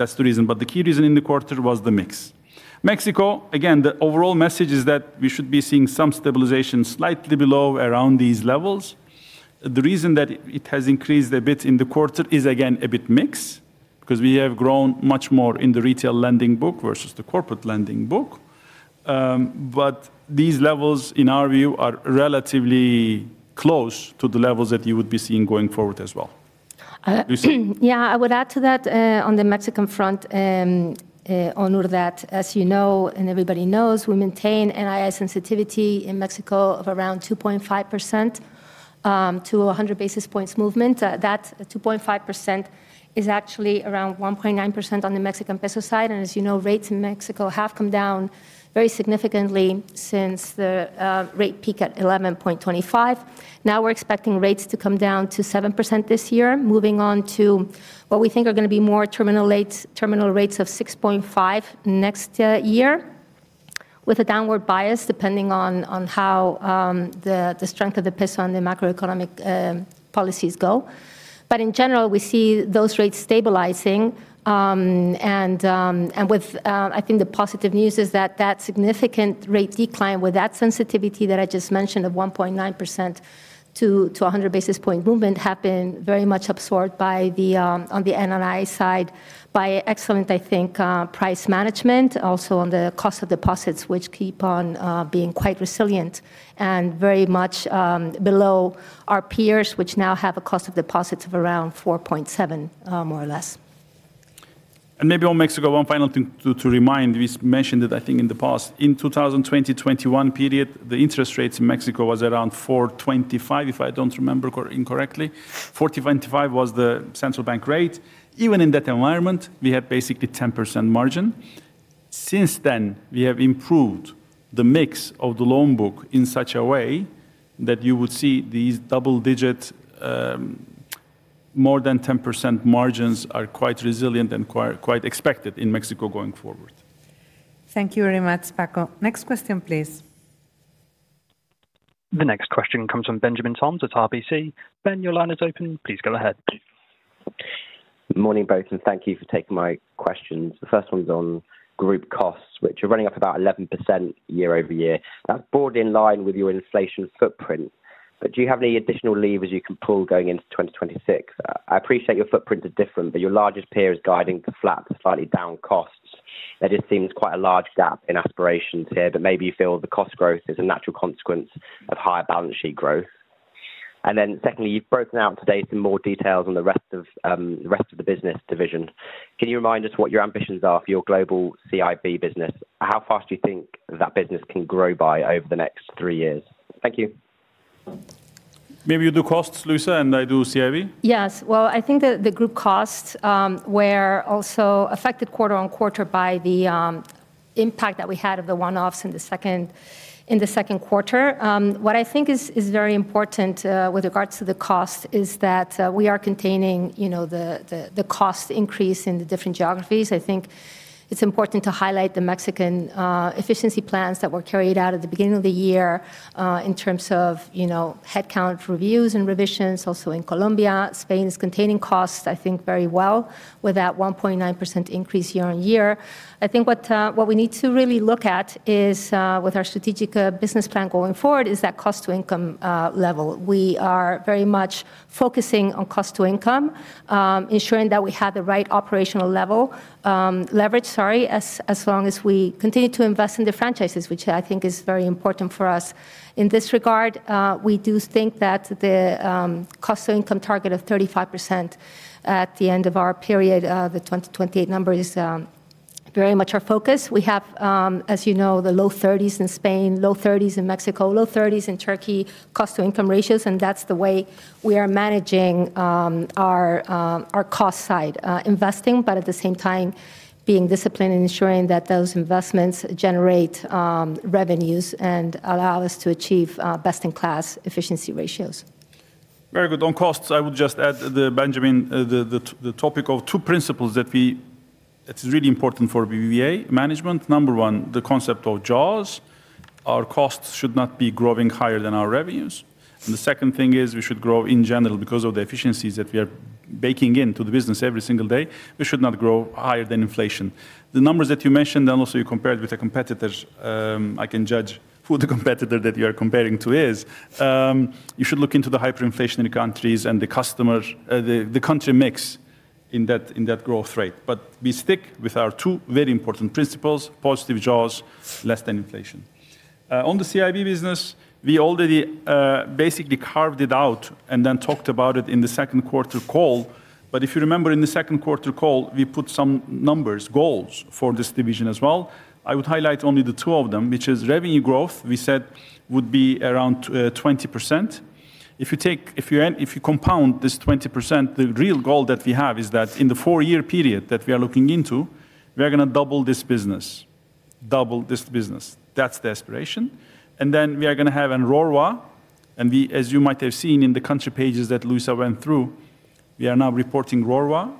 is the reason. The key reason in the quarter was the mix. Mexico, again, the overall message is that we should be seeing some stabilization slightly below around these levels. The reason that it has increased a bit in the quarter is, again, a bit mixed because we have grown much more in the retail lending book versus the corporate lending book. These levels, in our view, are relatively close to the levels that you would be seeing going forward as well. Yeah, I would add to that on the Mexican front, Onur, that as you know and everybody knows, we maintain NAI sensitivity in Mexico of around 2.5% to 100 basis points movement. That 2.5% is actually around 1.9% on the Mexican peso side. As you know, rates in Mexico have come down very significantly since the rate peak at 11.25%. Now we're expecting rates to come down to 7% this year, moving on to what we think are going to be more terminal rates of 6.5% next year, with a downward bias depending on how the strength of the peso and the macroeconomic policies go. In general, we see those rates stabilizing. I think the positive news is that that significant rate decline with that sensitivity that I just mentioned of 1.9% to 100 basis point movement has been very much absorbed on the NAI side by excellent, I think, price management, also on the cost of deposits, which keep on being quite resilient and very much below our peers, which now have a cost of deposits of around 4.7%, more or less. Maybe on Mexico, one final thing to remind, we mentioned it, I think, in the past. In the 2020-2021 period, the interest rates in Mexico were around 4.25%, if I don't remember incorrectly. 4.25% was the central bank rate. Even in that environment, we had basically 10% margin. Since then, we have improved the mix of the loan book in such a way that you would see these double-digit, more than 10% margins are quite resilient and quite expected in Mexico going forward. Thank you very much, Paco. Next question, please. The next question comes from Benjamin Toms at RBC. Ben, your line is open. Please go ahead. Morning both, and thank you for taking my questions. The first one's on group costs, which are running up about 11% year over year. That's broad in line with your inflation footprint. Do you have any additional levers you can pull going into 2026? I appreciate your footprint is different, but your largest peer is guiding the flat, the slightly down costs. That just seems quite a large gap in aspirations here. Maybe you feel the cost growth is a natural consequence of higher balance sheet growth. Secondly, you've broken out today some more details on the rest of the business division. Can you remind us what your ambitions are for your global Corporate & Investment Banking business? How fast do you think that business can grow by over the next three years? Thank you. Maybe you do costs, Luisa, and I do CIB? Yes, I think that the group costs were also affected quarter on quarter by the impact that we had of the one-offs in the second quarter. I think it's very important with regards to the cost that we are containing the cost increase in the different geographies. I think it's important to highlight the Mexican efficiency plans that were carried out at the beginning of the year in terms of headcount reviews and revisions. Also in Colombia, Spain is containing costs, I think, very well with that 1.9% increase year on year. I think what we need to really look at with our strategic business plan going forward is that cost-to-income level. We are very much focusing on cost-to-income, ensuring that we have the right operational leverage, as long as we continue to invest in the franchises, which I think is very important for us. In this regard, we do think that the cost-to-income target of 35% at the end of our period, the 2028 number, is very much our focus. We have, as you know, the low 30s in Spain, low 30s in Mexico, low 30s in Turkey, cost-to-income ratios, and that's the way we are managing our cost side, investing, but at the same time being disciplined and ensuring that those investments generate revenues and allow us to achieve best-in-class efficiency ratios. Very good. On costs, I would just add, Benjamin, the topic of two principles that are really important for BBVA management. Number one, the concept of JAWS. Our costs should not be growing higher than our revenues. The second thing is we should grow in general because of the efficiencies that we are baking into the business every single day. We should not grow higher than inflation. The numbers that you mentioned, and also you compared with the competitors, I can judge who the competitor that you are comparing to is. You should look into the hyperinflationary countries and the country mix in that growth rate. We stick with our two very important principles, positive JAWS, less than inflation. On the CIB business, we already basically carved it out and then talked about it in the second quarter call. If you remember, in the second quarter call, we put some numbers, goals for this division as well. I would highlight only the two of them, which is revenue growth. We said would be around 20%. If you compound this 20%, the real goal that we have is that in the four-year period that we are looking into, we are going to double this business. Double this business. That's the aspiration. We are going to have in RORWA, and we, as you might have seen in the country pages that Luisa went through, we are now reporting RORWA,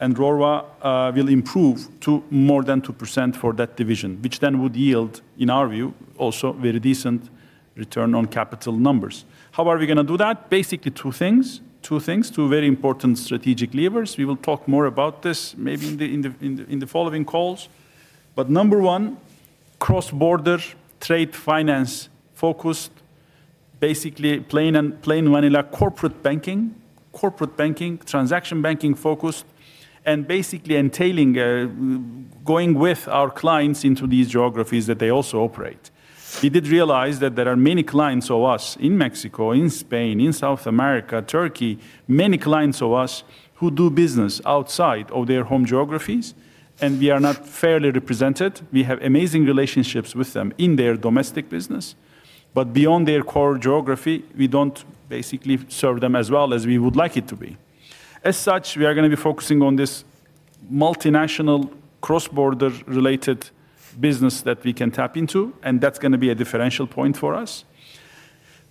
and RORWA will improve to more than 2% for that division, which then would yield, in our view, also very decent return on capital numbers. How are we going to do that? Basically, two things, two things, two very important strategic levers. We will talk more about this maybe in the following calls. Number one, cross-border trade finance focused, basically plain vanilla corporate banking, corporate banking, transaction banking focused, and basically entailing, going with our clients into these geographies that they also operate. We did realize that there are many clients of us in Mexico, in Spain, in South America, Turkey, many clients of us who do business outside of their home geographies, and we are not fairly represented. We have amazing relationships with them in their domestic business, but beyond their core geography, we don't basically serve them as well as we would like it to be. As such, we are going to be focusing on this multinational cross-border related business that we can tap into, and that's going to be a differential point for us.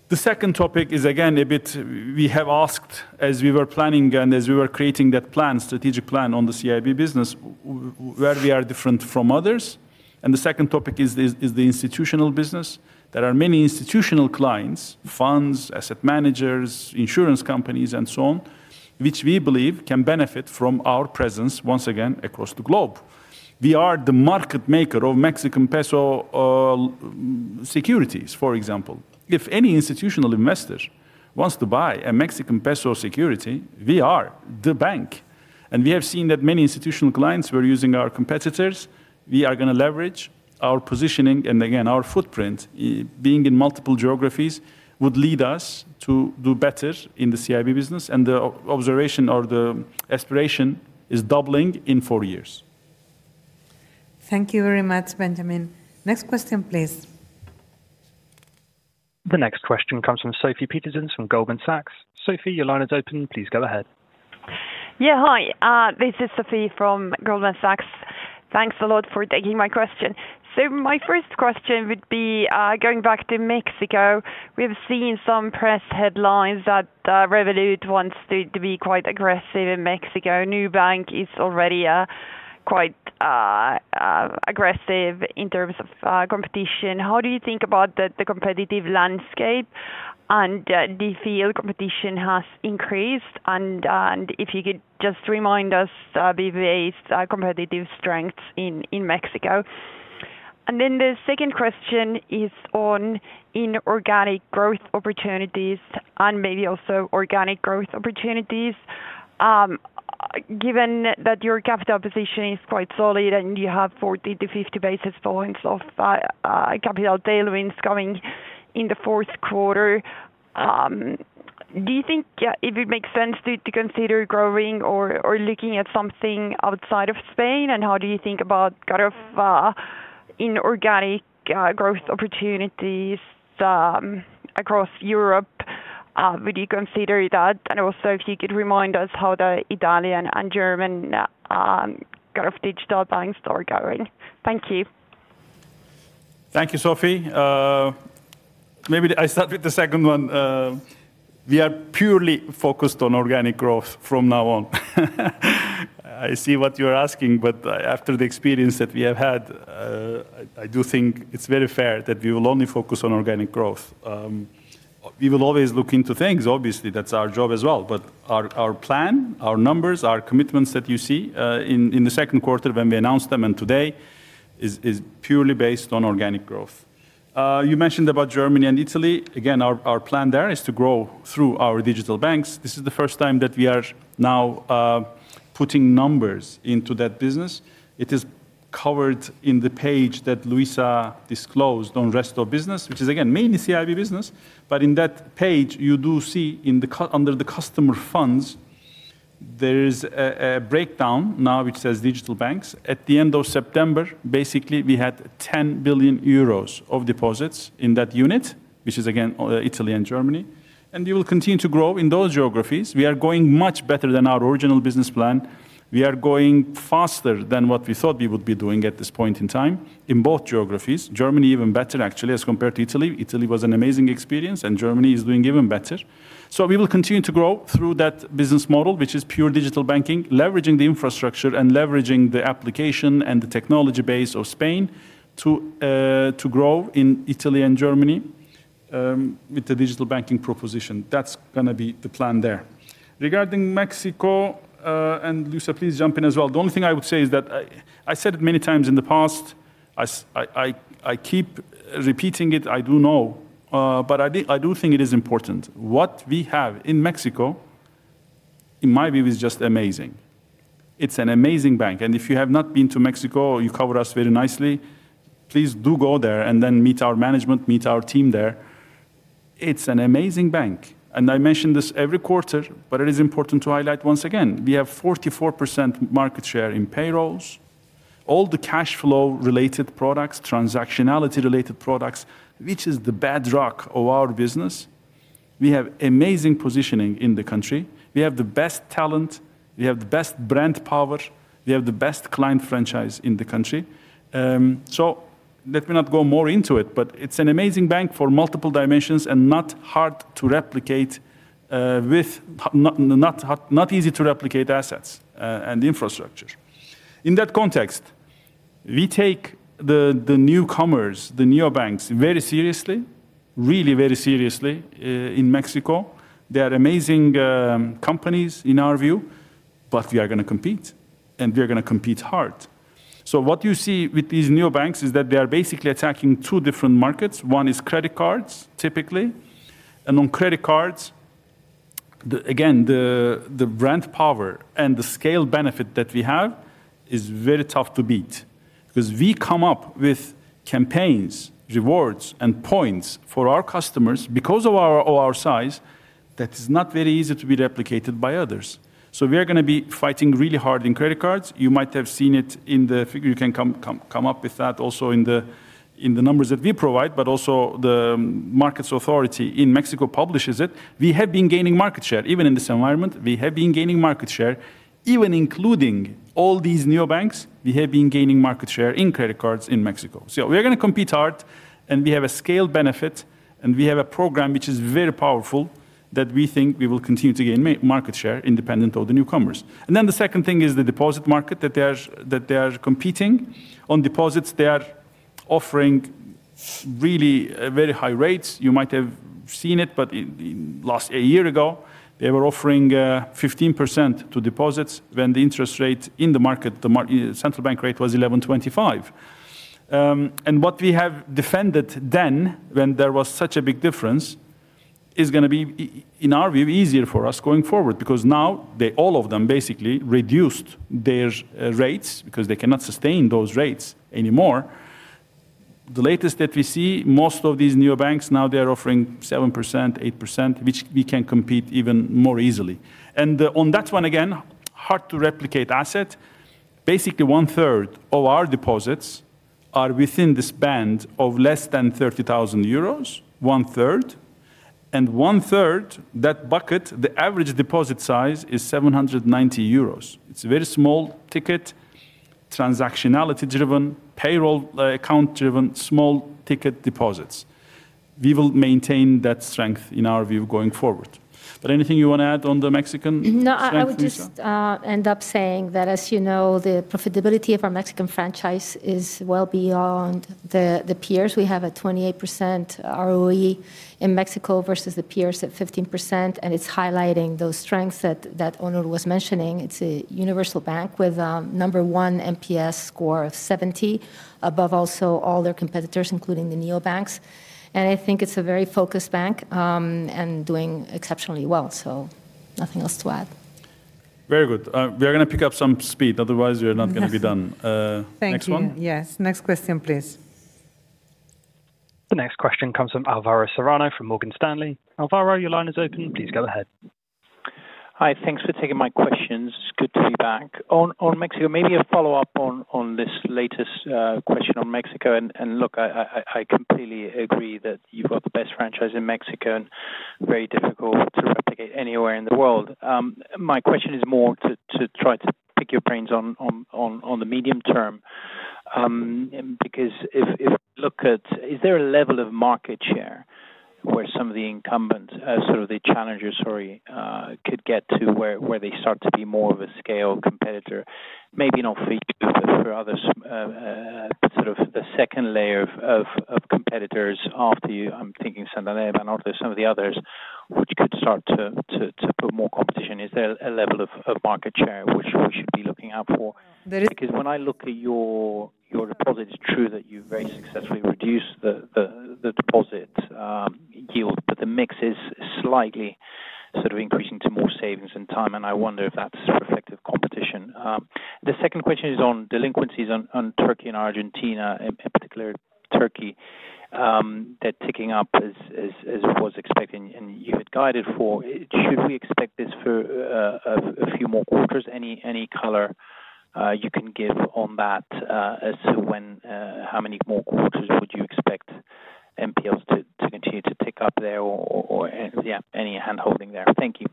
The second topic is again a bit we have asked as we were planning and as we were creating that plan, strategic plan on the CIB business, where we are different from others. The second topic is the institutional business. There are many institutional clients, funds, asset managers, insurance companies, and so on, which we believe can benefit from our presence once again across the globe. We are the market maker of Mexican peso securities, for example. If any institutional investor wants to buy a Mexican peso security, we are the bank. We have seen that many institutional clients were using our competitors. We are going to leverage our positioning and again our footprint, being in multiple geographies, would lead us to do better in the CIB business. The observation or the aspiration is doubling in four years. Thank you very much, Benjamin. Next question, please. The next question comes from Sophie Peterson from Goldman Sachs. Sophie, your line is open. Please go ahead. Yeah, hi. This is Sophie from Goldman Sachs. Thanks a lot for taking my question. My first question would be going back to Mexico. We have seen some press headlines that Revolut wants to be quite aggressive in Mexico. Nubank is already quite aggressive in terms of competition. How do you think about the competitive landscape? Do you feel competition has increased? If you could just remind us of BBVA's competitive strengths in Mexico. The second question is on inorganic growth opportunities and maybe also organic growth opportunities. Given that your capital position is quite solid and you have 40 to 50 basis points of capital tailwinds coming in the fourth quarter, do you think it would make sense to consider growing or looking at something outside of Spain? How do you think about inorganic growth opportunities across Europe? Would you consider that? Also, if you could remind us how the Italian and German kind of digital banks are going. Thank you. Thank you, Sophie. Maybe I start with the second one. We are purely focused on organic growth from now on. I see what you're asking, but after the experience that we have had, I do think it's very fair that we will only focus on organic growth. We will always look into things, obviously. That's our job as well. Our plan, our numbers, our commitments that you see in the second quarter when we announced them and today is purely based on organic growth. You mentioned Germany and Italy. Our plan there is to grow through our digital banks. This is the first time that we are now putting numbers into that business. It is covered in the page that Luisa Gómez Bravo disclosed on Resto Business, which is mainly Corporate & Investment Banking business. In that page, you do see under the customer funds, there is a breakdown now which says digital banks. At the end of September, we had 10 billion euros of deposits in that unit, which is Italy and Germany. We will continue to grow in those geographies. We are going much better than our original business plan. We are going faster than what we thought we would be doing at this point in time in both geographies. Germany even better, actually, as compared to Italy. Italy was an amazing experience, and Germany is doing even better. We will continue to grow through that business model, which is pure digital banking, leveraging the infrastructure and leveraging the application and the technology base of Spain to grow in Italy and Germany with the digital banking proposition. That's going to be the plan there. Regarding Mexico and Luisa, please jump in as well. The only thing I would say is that I said it many times in the past. I keep repeating it. I do know. I do think it is important. What we have in Mexico, in my view, is just amazing. It's an amazing bank. If you have not been to Mexico, you cover us very nicely. Please do go there and then meet our management, meet our team there. It's an amazing bank. I mention this every quarter, but it is important to highlight once again. We have 44% market share in payrolls, all the cash flow-related products, transactionality-related products, which is the bedrock of our business. We have amazing positioning in the country. We have the best talent. We have the best brand power. We have the best client franchise in the country. Let me not go more into it, but it's an amazing bank for multiple dimensions and not hard to replicate, with not easy to replicate assets and infrastructure. In that context, we take the newcomers, the neobanks, very seriously, really very seriously in Mexico. They are amazing companies in our view, but we are going to compete, and we are going to compete hard. What you see with these neobanks is that they are basically attacking two different markets. One is credit cards, typically. On credit cards, again, the brand power and the scale benefit that we have is very tough to beat because we come up with campaigns, rewards, and points for our customers because of our size. That is not very easy to be replicated by others. We are going to be fighting really hard in credit cards. You might have seen it in the figure. You can come up with that also in the numbers that we provide, but also the markets authority in Mexico publishes it. We have been gaining market share. Even in this environment, we have been gaining market share, even including all these neobanks. We have been gaining market share in credit cards in Mexico. We are going to compete hard, and we have a scale benefit, and we have a program which is very powerful that we think we will continue to gain market share independent of the newcomers. The second thing is the deposit market that they are competing on. Deposits, they are offering really very high rates. You might have seen it, but a year ago, they were offering 15% to deposits when the interest rate in the market, the central bank rate, was 11.25%. What we have defended then, when there was such a big difference, is going to be, in our view, easier for us going forward because now all of them basically reduced their rates because they cannot sustain those rates anymore. The latest that we see, most of these neobanks now, they are offering 7%, 8%, which we can compete even more easily. On that one, again, hard to replicate asset. Basically, one-third of our deposits are within this band of less than 30,000 euros, one-third. In that bucket, the average deposit size is 790 euros. It's a very small ticket, transactionality-driven, payroll account-driven, small ticket deposits. We will maintain that strength in our view going forward. Anything you want to add on the Mexican? No, I would just end up saying that, as you know, the profitability of our Mexican franchise is well beyond the peers. We have a 28% ROE in Mexico versus the peers at 15%, and it is highlighting those strengths that Onur was mentioning. It is a universal bank with a number one NPS score of 70, above also all their competitors, including the neobanks. I think it is a very focused bank and doing exceptionally well. Nothing else to add. Very good. We are going to pick up some speed. Otherwise, we are not going to be done. Thank you. Next one? Yes, next question, please. The next question comes from Alvaro Serrano from Morgan Stanley. Alvaro, your line is open. Please go ahead. Hi, thanks for taking my questions. It's good to be back. On Mexico, maybe a follow-up on this latest question on Mexico. I completely agree that you've got the best franchise in Mexico and very difficult to replicate anywhere in the world. My question is more to try to pick your brains on the medium term. If you look at, is there a level of market share where some of the incumbents, sort of the challengers, sorry, could get to where they start to be more of a scale competitor? Maybe not for you, but for others, sort of the second layer of competitors after you, I'm thinking Santander and some of the others, which could start to put more competition. Is there a level of market share which we should be looking out for? There. Because when I look at your deposit, it's true that you very successfully reduced the deposit yield, but the mix is slightly sort of increasing to more savings and time. I wonder if that's reflective of competition. The second question is on delinquencies on Turkey and Argentina, in particular Turkey. They're ticking up as it was expected, and you had guided for. Should we expect this for a few more quarters? Any color you can give on that as to when, how many more quarters would you expect NPLs to continue to tick up there or any hand-holding there? Thank you.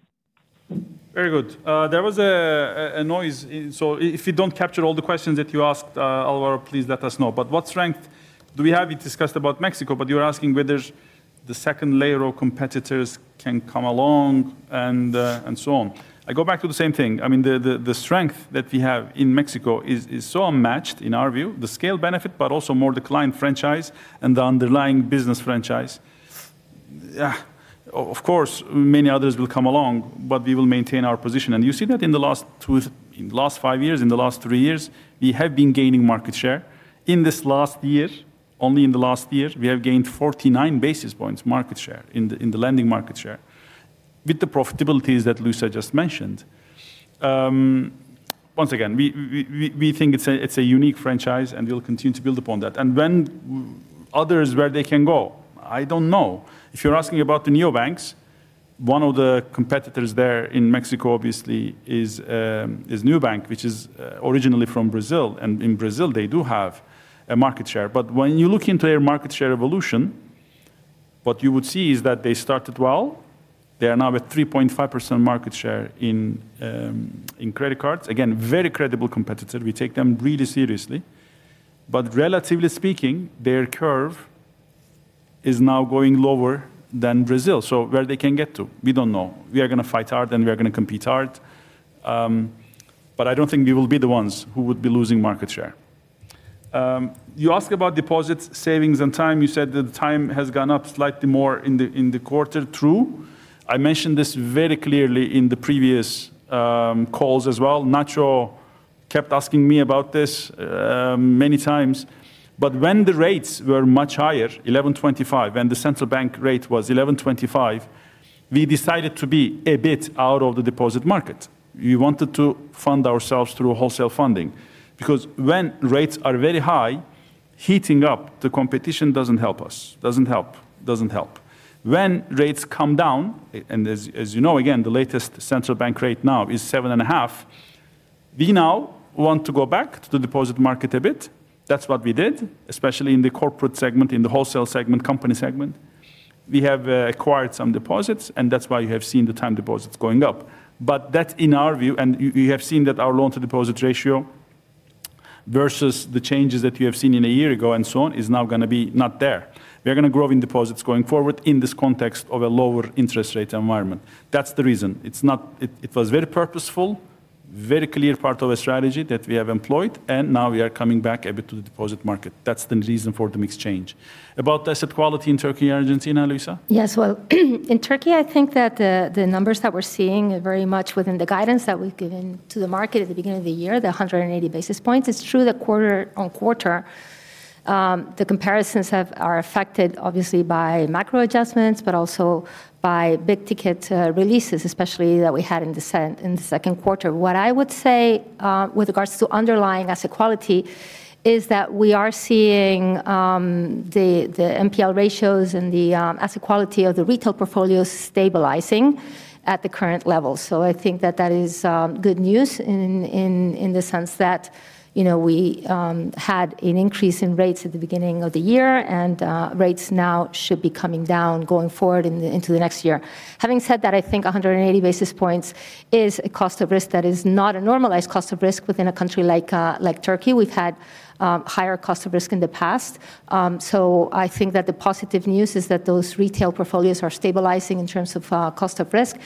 Very good. There was a noise. If you don't capture all the questions that you asked, Alvaro, please let us know. What strength do we have? We discussed about Mexico, but you're asking whether the second layer of competitors can come along and so on. I go back to the same thing. The strength that we have in Mexico is so unmatched in our view, the scale benefit, but also more the client franchise and the underlying business franchise. Of course, many others will come along, but we will maintain our position. You see that in the last five years, in the last three years, we have been gaining market share. In this last year, only in the last year, we have gained 49 basis points market share in the lending market share with the profitabilities that Luisa just mentioned. Once again, we think it's a unique franchise, and we'll continue to build upon that. When others, where they can go, I don't know. If you're asking about the neobanks, one of the competitors there in Mexico, obviously, is Nubank, which is originally from Brazil. In Brazil, they do have a market share. When you look into their market share evolution, what you would see is that they started well. They are now at 3.5% market share in credit cards. Again, very credible competitor. We take them really seriously. Relatively speaking, their curve is now going lower than Brazil. Where they can get to, we don't know. We are going to fight hard, and we are going to compete hard. I don't think we will be the ones who would be losing market share. You ask about deposits, savings, and time. You said that the time has gone up slightly more in the quarter. True. I mentioned this very clearly in the previous calls as well. Nacho kept asking me about this many times. When the rates were much higher, 11.25%, and the central bank rate was 11.25%, we decided to be a bit out of the deposit market. We wanted to fund ourselves through wholesale funding. When rates are very high, heating up the competition doesn't help us. Doesn't help, doesn't help. When rates come down, and as you know, again, the latest central bank rate now is 7.5%, we now want to go back to the deposit market a bit. That's what we did, especially in the corporate segment, in the wholesale segment, company segment. We have acquired some deposits, and that's why you have seen the time deposits going up. In our view, you have seen that our loan-to-deposit ratio versus the changes that you have seen a year ago and so on is now going to be not there. We are going to grow in deposits going forward in this context of a lower interest rate environment. That's the reason. It was very purposeful, a very clear part of a strategy that we have employed, and now we are coming back a bit to the deposit market. That's the reason for the mixed change. About asset quality in Turkey and Argentina, Luisa? Yes, in Turkey, I think that the numbers that we're seeing are very much within the guidance that we've given to the market at the beginning of the year, the 180 basis points. It's true that quarter on quarter, the comparisons are affected, obviously, by macro adjustments, but also by big ticket releases, especially that we had in the second quarter. What I would say with regards to underlying asset quality is that we are seeing the NPL ratios and the asset quality of the retail portfolios stabilizing at the current level. I think that that is good news in the sense that we had an increase in rates at the beginning of the year, and rates now should be coming down going forward into the next year. Having said that, I think 180 basis points is a cost of risk that is not a normalized cost of risk within a country like Turkey. We've had higher cost of risk in the past. I think that the positive news is that those retail portfolios are stabilizing in terms of cost of risk.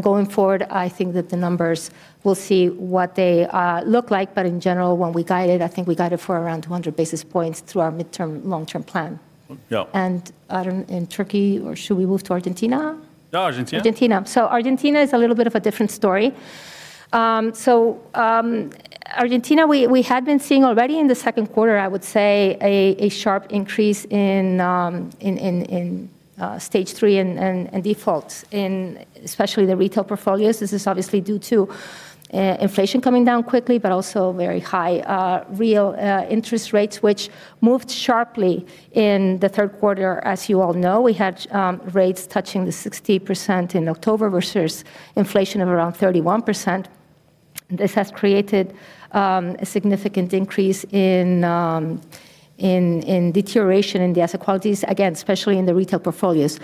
Going forward, I think that the numbers will see what they look like. In general, when we guided, I think we guided for around 200 basis points through our mid-term, long-term plan. In Turkey, or should we move to Argentina? No, Argentina. Argentina is a little bit of a different story. In Argentina, we had been seeing already in the second quarter, I would say, a sharp increase in stage three and defaults, especially in the retail portfolios. This is obviously due to inflation coming down quickly, but also very high real interest rates, which moved sharply in the third quarter. As you all know, we had rates touching 60% in October versus inflation of around 31%. This has created a significant increase in deterioration in the asset quality metrics, again, especially in the retail portfolios.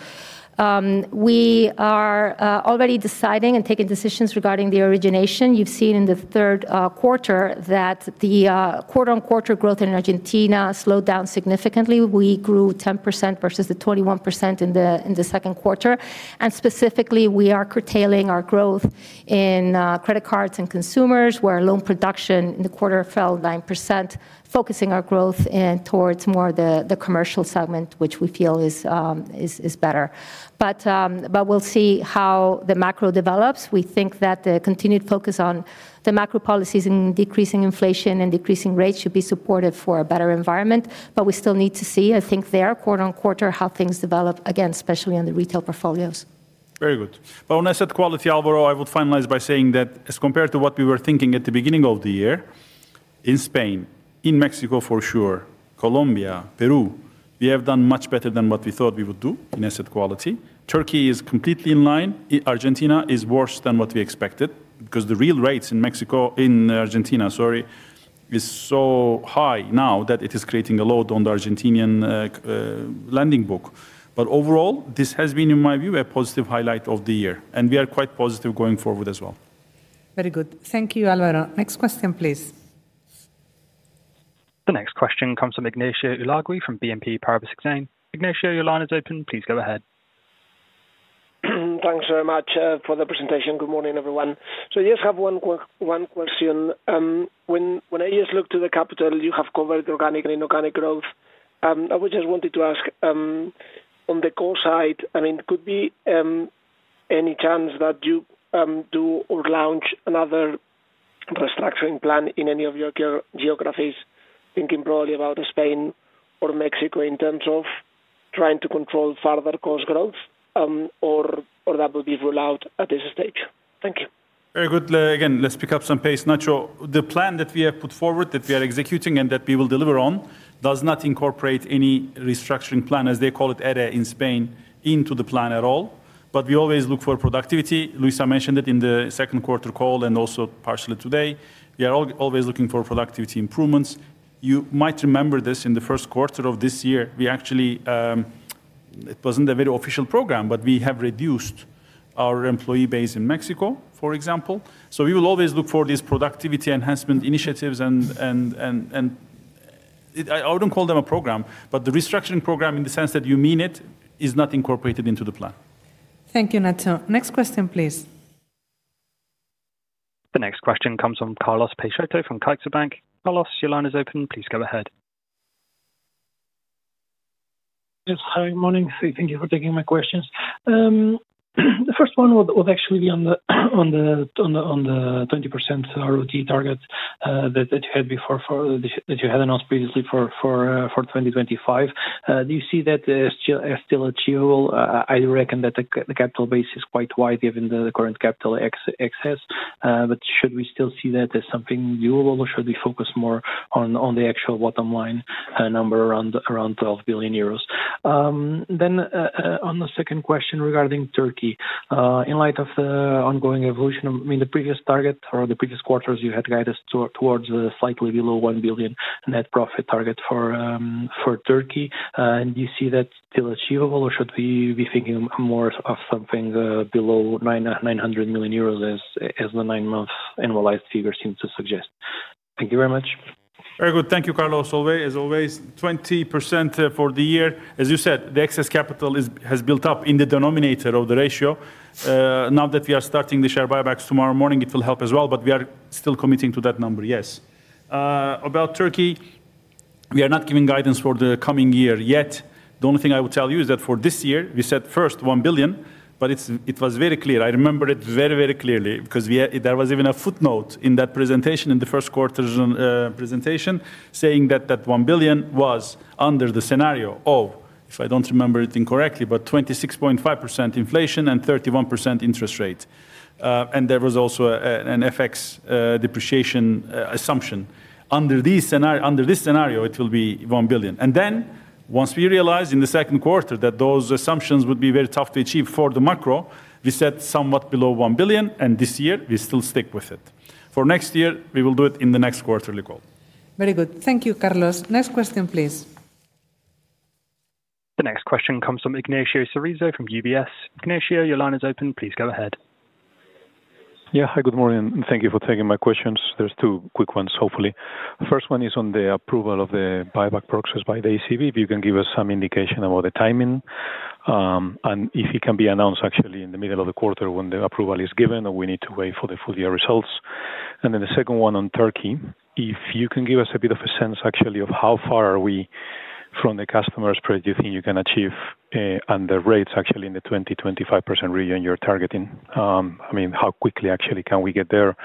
We are already deciding and taking decisions regarding the origination. You've seen in the third quarter that the quarter-on-quarter growth in Argentina slowed down significantly. We grew 10% versus the 21% in the second quarter. Specifically, we are curtailing our growth in credit cards and consumers, where loan production in the quarter fell 9%, focusing our growth towards more the commercial segment, which we feel is better. We will see how the macro develops. We think that the continued focus on the macro policies and decreasing inflation and decreasing rates should be supportive for a better environment. We still need to see, I think, there quarter-on-quarter how things develop, again, especially on the retail portfolios. Very good. On asset quality, Alvaro, I would finalize by saying that as compared to what we were thinking at the beginning of the year, in Spain, in Mexico for sure, Colombia, Peru, we have done much better than what we thought we would do in asset quality. Turkey is completely in line. Argentina is worse than what we expected because the real rates in Argentina are so high now that it is creating a load on the Argentinian lending book. Overall, this has been, in my view, a positive highlight of the year. We are quite positive going forward as well. Very good. Thank you, Alvaro. Next question, please. The next question comes from Ignacio Ulargui from BNP Paribas. Ignacio, your line is open. Please go ahead. Thanks very much for the presentation. Good morning, everyone. I have one question. When I just look to the capital, you have covered organic and inorganic growth. I would just wanted to ask, on the core side, I mean, could be any chance that you do or launch another restructuring plan in any of your geographies, thinking broadly about Spain or Mexico in terms of trying to control further cost growth, or that would be ruled out at this stage? Thank you. Very good. Again, let's pick up some pace, Nacho. The plan that we have put forward, that we are executing, and that we will deliver on does not incorporate any restructuring plan, as they call it, ERE in Spain, into the plan at all. We always look for productivity. Luisa Gómez Bravo mentioned it in the second quarter call and also partially today. We are always looking for productivity improvements. You might remember this in the first quarter of this year. Actually, it wasn't a very official program, but we have reduced our employee base in Mexico, for example. We will always look for these productivity enhancement initiatives. I wouldn't call them a program, but the restructuring program, in the sense that you mean it, is not incorporated into the plan. Thank you, Nacho. Next question, please. The next question comes from Carlos Peixoto from CaixaBank. Carlos, your line is open. Please go ahead. Yes, hi, good morning. Thank you for taking my questions. The first one was actually on the 20% ROTE target that you had announced previously for 2025. Do you see that as still achievable? I do reckon that the capital base is quite wide given the current capital excess. Should we still see that as something doable, or should we focus more on the actual bottom line number around 12 billion euros? On the second question regarding Turkey, in light of the ongoing evolution, the previous target or the previous quarters, you had guided us towards slightly below 1 billion net profit target for Turkey. Do you see that still achievable, or should we be thinking more of something below 900 million euros, as the nine-month annualized figure seems to suggest? Thank you very much. Very good. Thank you, Carlos. As always, 20% for the year. As you said, the excess capital has built up in the denominator of the ratio. Now that we are starting the share buybacks tomorrow morning, it will help as well, but we are still committing to that number, yes. About Turkey, we are not giving guidance for the coming year yet. The only thing I would tell you is that for this year, we said first 1 billion, but it was very clear. I remember it very, very clearly. Because there was even a footnote in that presentation, in the first quarter's presentation, saying that that 1 billion was under the scenario of, if I don't remember it incorrectly, about 26.5% inflation and 31% interest rate. There was also an FX depreciation assumption. Under this scenario, it will be 1 billion. Once we realized in the second quarter that those assumptions would be very tough to achieve for the macro, we said somewhat below 1 billion. This year, we still stick with it. For next year, we will do it in the next quarterly call. Very good. Thank you, Carlos. Next question, please. The next question comes from Ignacio Cerizo from UBS. Ignacio, your line is open. Please go ahead. Yeah, hi, good morning. Thank you for taking my questions. There's two quick ones, hopefully. The first one is on the approval of the buyback process by the ECB. If you can give us some indication about the timing and if it can be announced, actually, in the middle of the quarter when the approval is given and we need to wait for the full year results. The second one on Turkey. If you can give us a bit of a sense, actually, of how far are we from the customer spread you think you can achieve and the rates, actually, in the 20%, 25% region you're targeting. I mean, how quickly, actually, can we get there?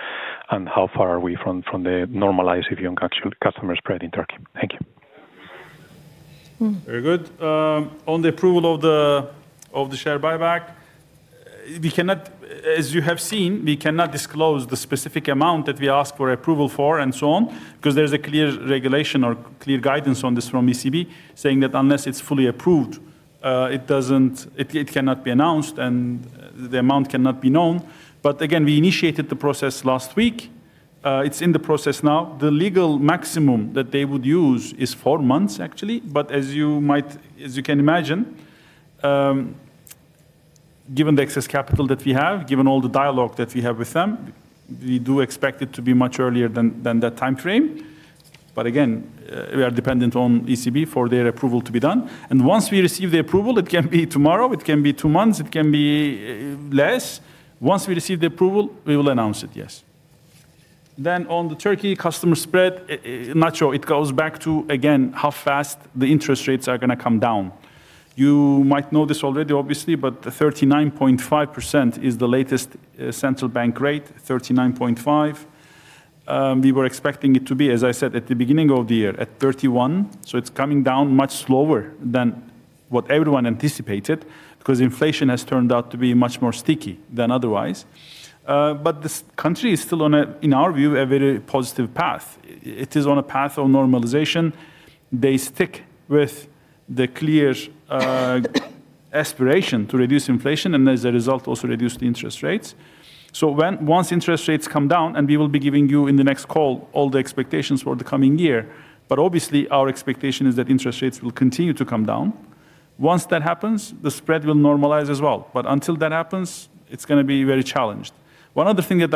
How far are we from the normalized, if you can actually, customer spread in Turkey? Thank you. Very good. On the approval of the share buyback, we cannot, as you have seen, disclose the specific amount that we asked for approval for and so on, because there is a clear regulation or clear guidance on this from the ECB, saying that unless it is fully approved, it cannot be announced and the amount cannot be known. We initiated the process last week. It is in the process now. The legal maximum that they would use is four months, actually. As you can imagine, given the excess capital that we have, given all the dialogue that we have with them, we do expect it to be much earlier than that time frame. We are dependent on the ECB for their approval to be done. Once we receive the approval, it can be tomorrow. It can be two months. It can be less. Once we receive the approval, we will announce it, yes. On the Turkey customer spread, Nacho, it goes back to how fast the interest rates are going to come down. You might know this already, obviously, but 39.5% is the latest central bank rate, 39.5%. We were expecting it to be, as I said, at the beginning of the year, at 31%. It is coming down much slower than what everyone anticipated, because inflation has turned out to be much more sticky than otherwise. This country is still on, in our view, a very positive path. It is on a path of normalization. They stick with the clear aspiration to reduce inflation and, as a result, also reduce the interest rates. Once interest rates come down, we will be giving you in the next call all the expectations for the coming year. Obviously, our expectation is that interest rates will continue to come down. Once that happens, the spread will normalize as well. Until that happens, it is going to be very challenged. One other thing that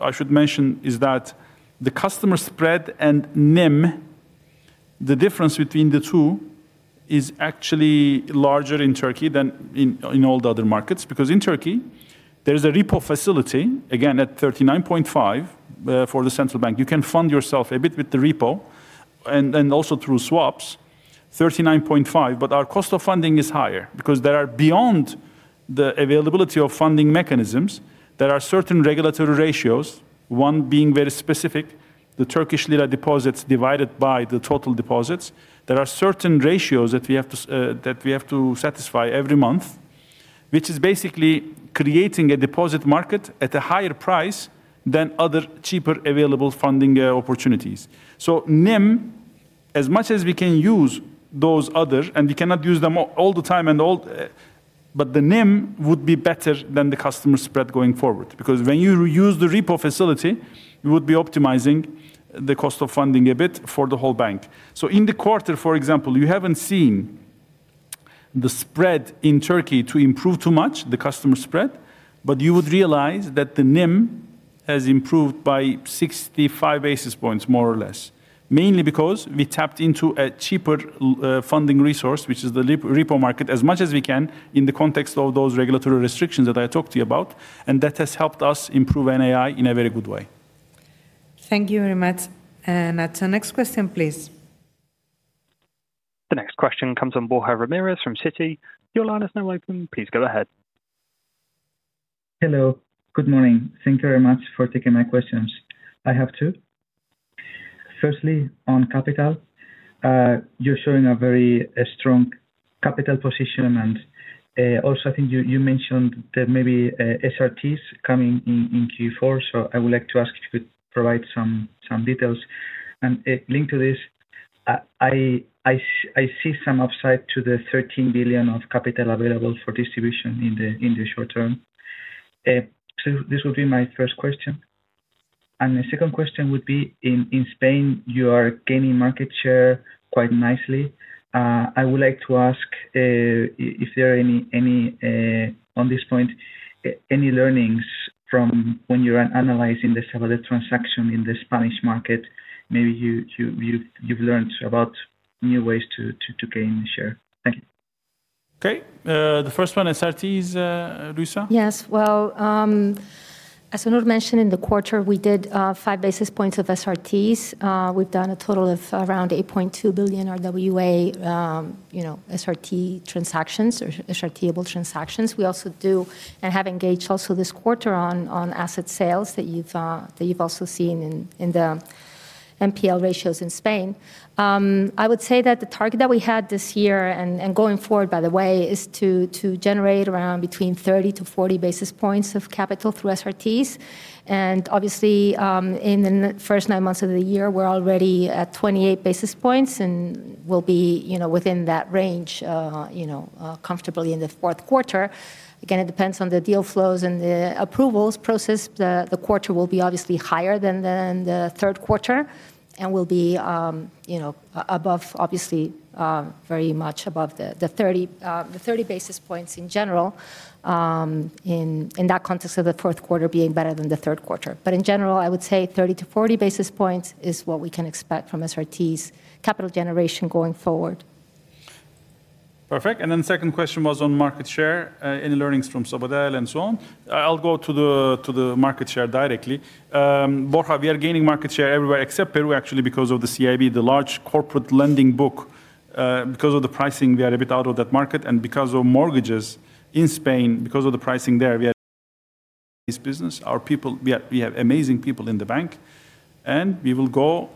I should mention is that the customer spread and NEM, the difference between the two, is actually larger in Turkey than in all the other markets. In Turkey, there is a repo facility, again, at 39.5% for the central bank. You can fund yourself a bit with the repo and also through swaps, 39.5%. Our cost of funding is higher, because there are, beyond the availability of funding mechanisms, certain regulatory ratios, one being very specific, the Turkish lira deposits divided by the total deposits. There are certain ratios that we have to satisfy every month, which is basically creating a deposit market at a higher price than other cheaper available funding opportunities. NEM, as much as we can use those others, and we cannot use them all the time, but the NEM would be better than the customer spread going forward. When you use the repo facility, you would be optimizing the cost of funding a bit for the whole bank. In the quarter, for example, you haven't seen the spread in Turkey improve too much, the customer spread, but you would realize that the NEM has improved by 65 basis points, more or less. Mainly because we tapped into a cheaper funding resource, which is the repo market, as much as we can in the context of those regulatory restrictions that I talked to you about. That has helped us improve NAI in a very good way. Thank you very much. To the next question, please. The next question comes from Borja Ramirez from Citi. Your line is now open. Please go ahead. Hello. Good morning. Thank you very much for taking my questions. I have two. Firstly, on capital, you're showing a very strong capital position. I think you mentioned that maybe SRTs coming in Q4. I would like to ask if you could provide some details. Linked to this, I see some upside to the 13 billion of capital available for distribution in the short term. This would be my first question. My second question would be, in Spain, you are gaining market share quite nicely. I would like to ask if there are any, on this point, any learnings from when you're analyzing this about the transaction in the Spanish market. Maybe you've learned about new ways to gain share. Thank you. OK. The first one, SRTs, Luisa? Yes. As Onur mentioned, in the quarter, we did five basis points of SRTs. We've done a total of around 8.2 billion RWA SRT transactions, or SRT-able transactions. We also do and have engaged also this quarter on asset sales that you've also seen in the NPL ratios in Spain. I would say that the target that we had this year, and going forward, by the way, is to generate around between 30 to 40 basis points of capital through SRTs. Obviously, in the first nine months of the year, we're already at 28 basis points and will be within that range, comfortably in the fourth quarter. It depends on the deal flows and the approvals process. The quarter will be obviously higher than the third quarter and will be above, obviously, very much above the 30 basis points in general, in that context of the fourth quarter being better than the third quarter. In general, I would say 30 to 40 basis points is what we can expect from SRTs capital generation going forward. Perfect. The second question was on market share, any learnings from Sabadell and so on. I'll go to the market share directly. Borja, we are gaining market share everywhere except Peru, actually, because of the Corporate & Investment Banking, the large corporate lending book. Because of the pricing, we are a bit out of that market, and because of mortgages in Spain, because of the pricing there, we are in this business. Our people, we have amazing people in the bank, and we will go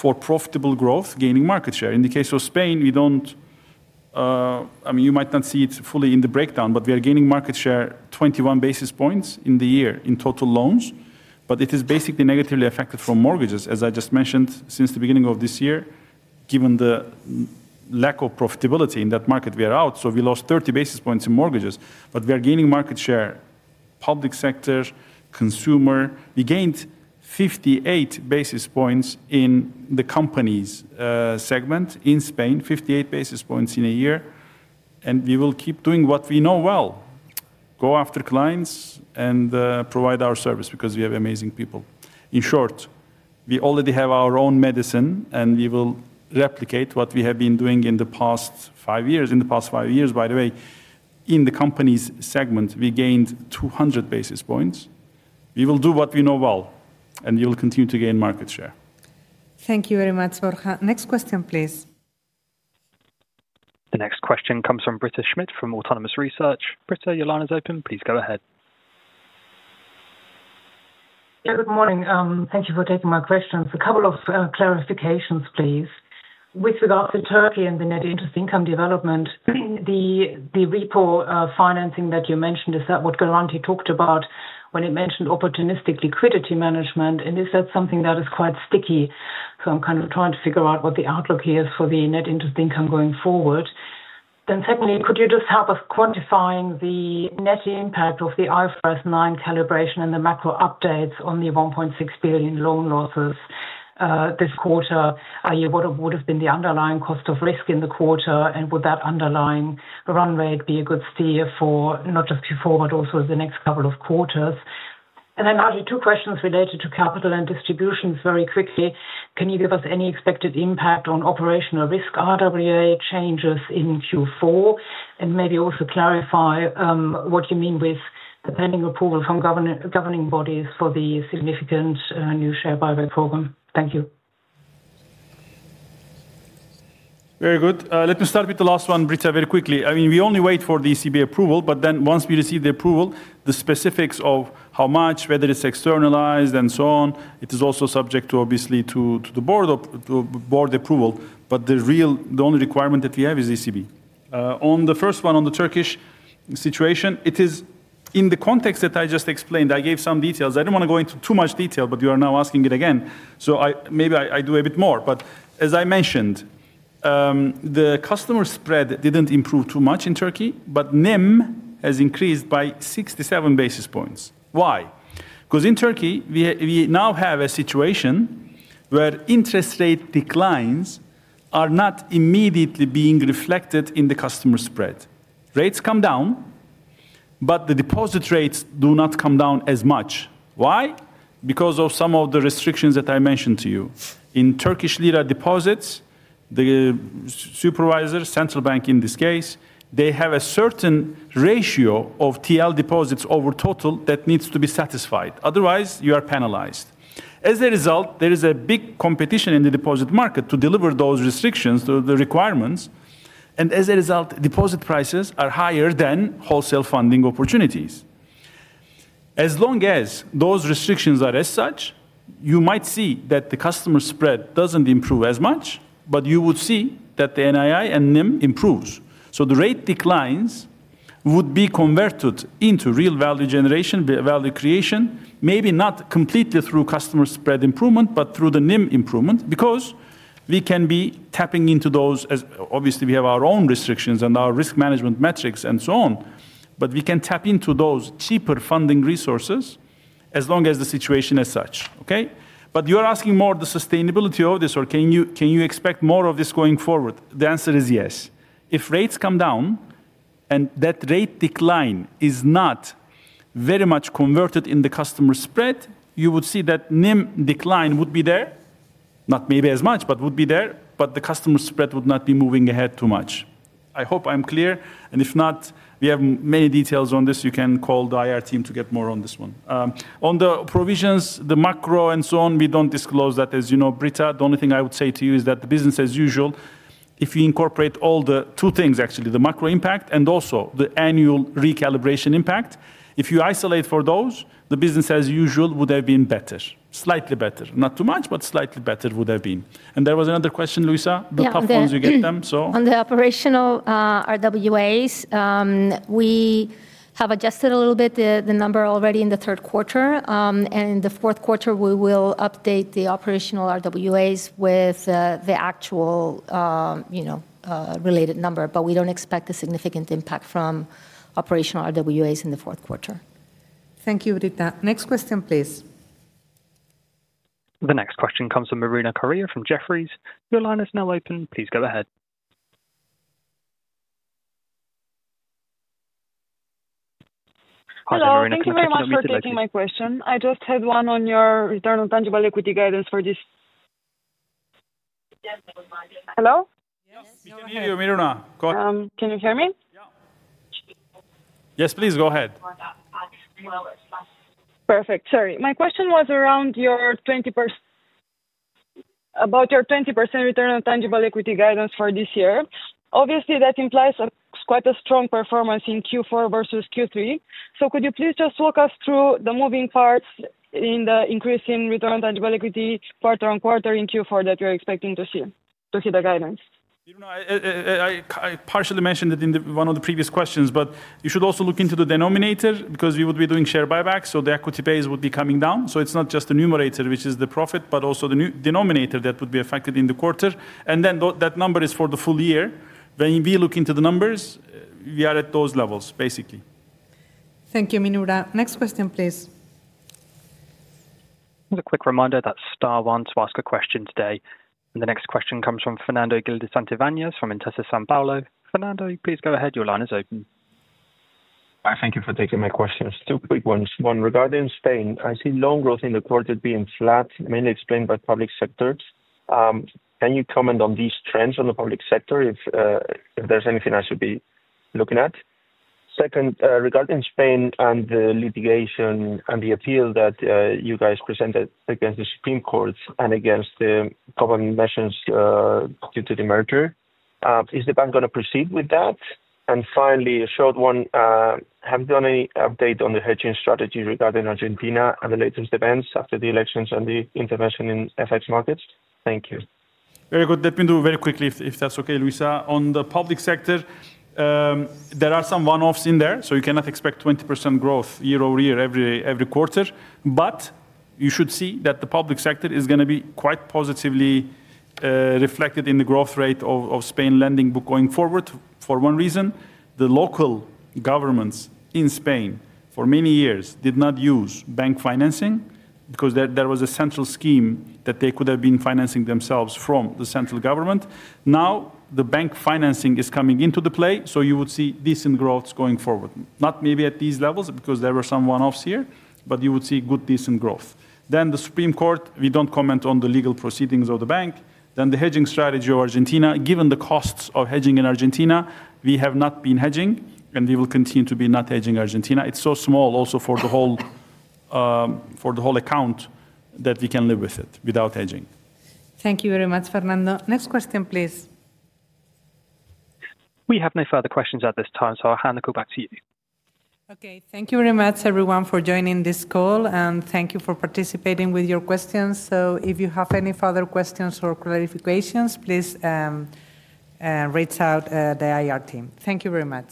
for profitable growth, gaining market share. In the case of Spain, you might not see it fully in the breakdown, but we are gaining market share, 21 basis points in the year in total loans. It is basically negatively affected from mortgages, as I just mentioned, since the beginning of this year, given the lack of profitability in that market. We are out. We lost 30 basis points in mortgages, but we are gaining market share, public sector, consumer. We gained 58 basis points in the companies' segment in Spain, 58 basis points in a year, and we will keep doing what we know well: go after clients and provide our service, because we have amazing people. In short, we already have our own medicine, and we will replicate what we have been doing in the past five years. In the past five years, by the way, in the companies' segment, we gained 200 basis points. We will do what we know well, and we will continue to gain market share. Thank you very much, Borja. Next question, please. The next question comes from Britta Schmidt from Autonomous Research. Britta, your line is open. Please go ahead. Good morning. Thank you for taking my questions. A couple of clarifications, please. With regards to Turkey and the net interest income development, the repo financing that you mentioned, is that what Garanti talked about when he mentioned opportunistic liquidity management? Is that something that is quite sticky? I'm trying to figure out what the outlook is for the net interest income going forward. Secondly, could you just help us quantifying the net impact of the IFRS 9 calibration and the macro updates on the EUR $1.6 billion loan losses this quarter? What would have been the underlying cost of risk in the quarter? Would that underlying run rate be a good steer for not just Q4, but also the next couple of quarters? Two questions related to capital and distributions very quickly. Can you give us any expected impact on operational risk RWA changes in Q4? Maybe also clarify what you mean with the pending approval from governing bodies for the significant new share buyback program. Thank you. Very good. Let me start with the last one, Britta, very quickly. I mean, we only wait for the ECB approval. Once we receive the approval, the specifics of how much, whether it's externalized, and so on, it is also subject, obviously, to the board approval. The only requirement that we have is the ECB. On the first one, on the Turkish situation, it is in the context that I just explained. I gave some details. I don't want to go into too much detail. You are now asking it again. Maybe I do a bit more. As I mentioned, the customer spread didn't improve too much in Turkey. NEM has increased by 67 basis points. Why? Because in Turkey, we now have a situation where interest rate declines are not immediately being reflected in the customer spread. Rates come down, but the deposit rates do not come down as much. Why? Because of some of the restrictions that I mentioned to you. In Turkish lira deposits, the supervisors, central bank in this case, have a certain ratio of TL deposits over total that needs to be satisfied. Otherwise, you are penalized. As a result, there is a big competition in the deposit market to deliver those restrictions, the requirements. As a result, deposit prices are higher than wholesale funding opportunities. As long as those restrictions are as such, you might see that the customer spread doesn't improve as much. You would see that the NAI and NEM improve. The rate declines would be converted into real value generation, value creation, maybe not completely through customer spread improvement, but through the NEM improvement, because we can be tapping into those. Obviously, we have our own restrictions and our risk management metrics and so on. We can tap into those cheaper funding resources as long as the situation is such. You are asking more of the sustainability of this. Can you expect more of this going forward? The answer is yes. If rates come down and that rate decline is not very much converted in the customer spread, you would see that NEM decline would be there, not maybe as much, but would be there. The customer spread would not be moving ahead too much. I hope I'm clear. If not, we have many details on this. You can call the IR team to get more on this one. On the provisions, the macro and so on, we don't disclose that, as you know, Britta. The only thing I would say to you is that the business as usual, if you incorporate all the two things, actually, the macro impact and also the annual recalibration impact, if you isolate for those, the business as usual would have been better, slightly better. Not too much, but slightly better would have been. There was another question, Luisa. The tough ones, you get them. On the operational RWAs, we have adjusted a little bit the number already in the third quarter. In the fourth quarter, we will update the operational RWAs with the actual related number. We don't expect a significant impact from operational RWAs in the fourth quarter. Thank you, Britta. Next question, please. The next question comes from Marina Correa from Jefferies. Your line is now open. Please go ahead. Hi, Marina. Can you take some? Sorry for asking my question. I just had one on your return on tangible equity guidance for this. Hello? Yes, you can hear me, Marina? Can you hear me? Yes, please. Go ahead. Perfect. Sorry. My question was around your 20% return on tangible equity guidance for this year. Obviously, that implies quite a strong performance in Q4 versus Q3. Could you please just walk us through the moving parts in the increase in return on tangible equity quarter on quarter in Q4 that we are expecting to see to hit the guidance? I partially mentioned it in one of the previous questions. You should also look into the denominator, because we would be doing share buybacks. The equity pays would be coming down. It's not just the numerator, which is the profit, but also the denominator that would be affected in the quarter. That number is for the full year. When we look into the numbers, we are at those levels, basically. Thank you, Marina. Next question, please. A quick reminder that star wants to ask a question today. The next question comes from Fernando Gil de Santivañes from Intesa Sanpaolo. Fernando, please go ahead. Your line is open. Thank you for taking my questions. Two quick ones. One, regarding Spain, I see loan growth in the quarter being flat, mainly explained by public sectors. Can you comment on these trends in the public sector if there's anything I should be looking at? Second, regarding Spain and the litigation and the appeal that you guys presented against the Supreme Courts and against the government measures due to the merger, is the bank going to proceed with that? Finally, a short one, have you done any update on the hedging strategy regarding Argentina and the latest events after the elections and the intervention in FX markets? Thank you. Very good. Let me do it very quickly, if that's OK, Luisa. On the public sector, there are some one-offs in there. You cannot expect 20% growth year over year, every quarter. You should see that the public sector is going to be quite positively reflected in the growth rate of Spain lending book going forward for one reason. The local governments in Spain, for many years, did not use bank financing, because there was a central scheme that they could have been financing themselves from the central government. Now, the bank financing is coming into play. You would see decent growth going forward, not maybe at these levels, because there were some one-offs here, but you would see good, decent growth. The Supreme Court, we don't comment on the legal proceedings of the bank. The hedging strategy of Argentina, given the costs of hedging in Argentina, we have not been hedging. We will continue to be not hedging Argentina. It's so small also for the whole account that we can live with it without hedging. Thank you very much, Fernando. Next question, please. We have no further questions at this time. I'll hand the call back to you. OK. Thank you very much, everyone, for joining this call. Thank you for participating with your questions. If you have any further questions or clarifications, please reach out to the IR team. Thank you very much.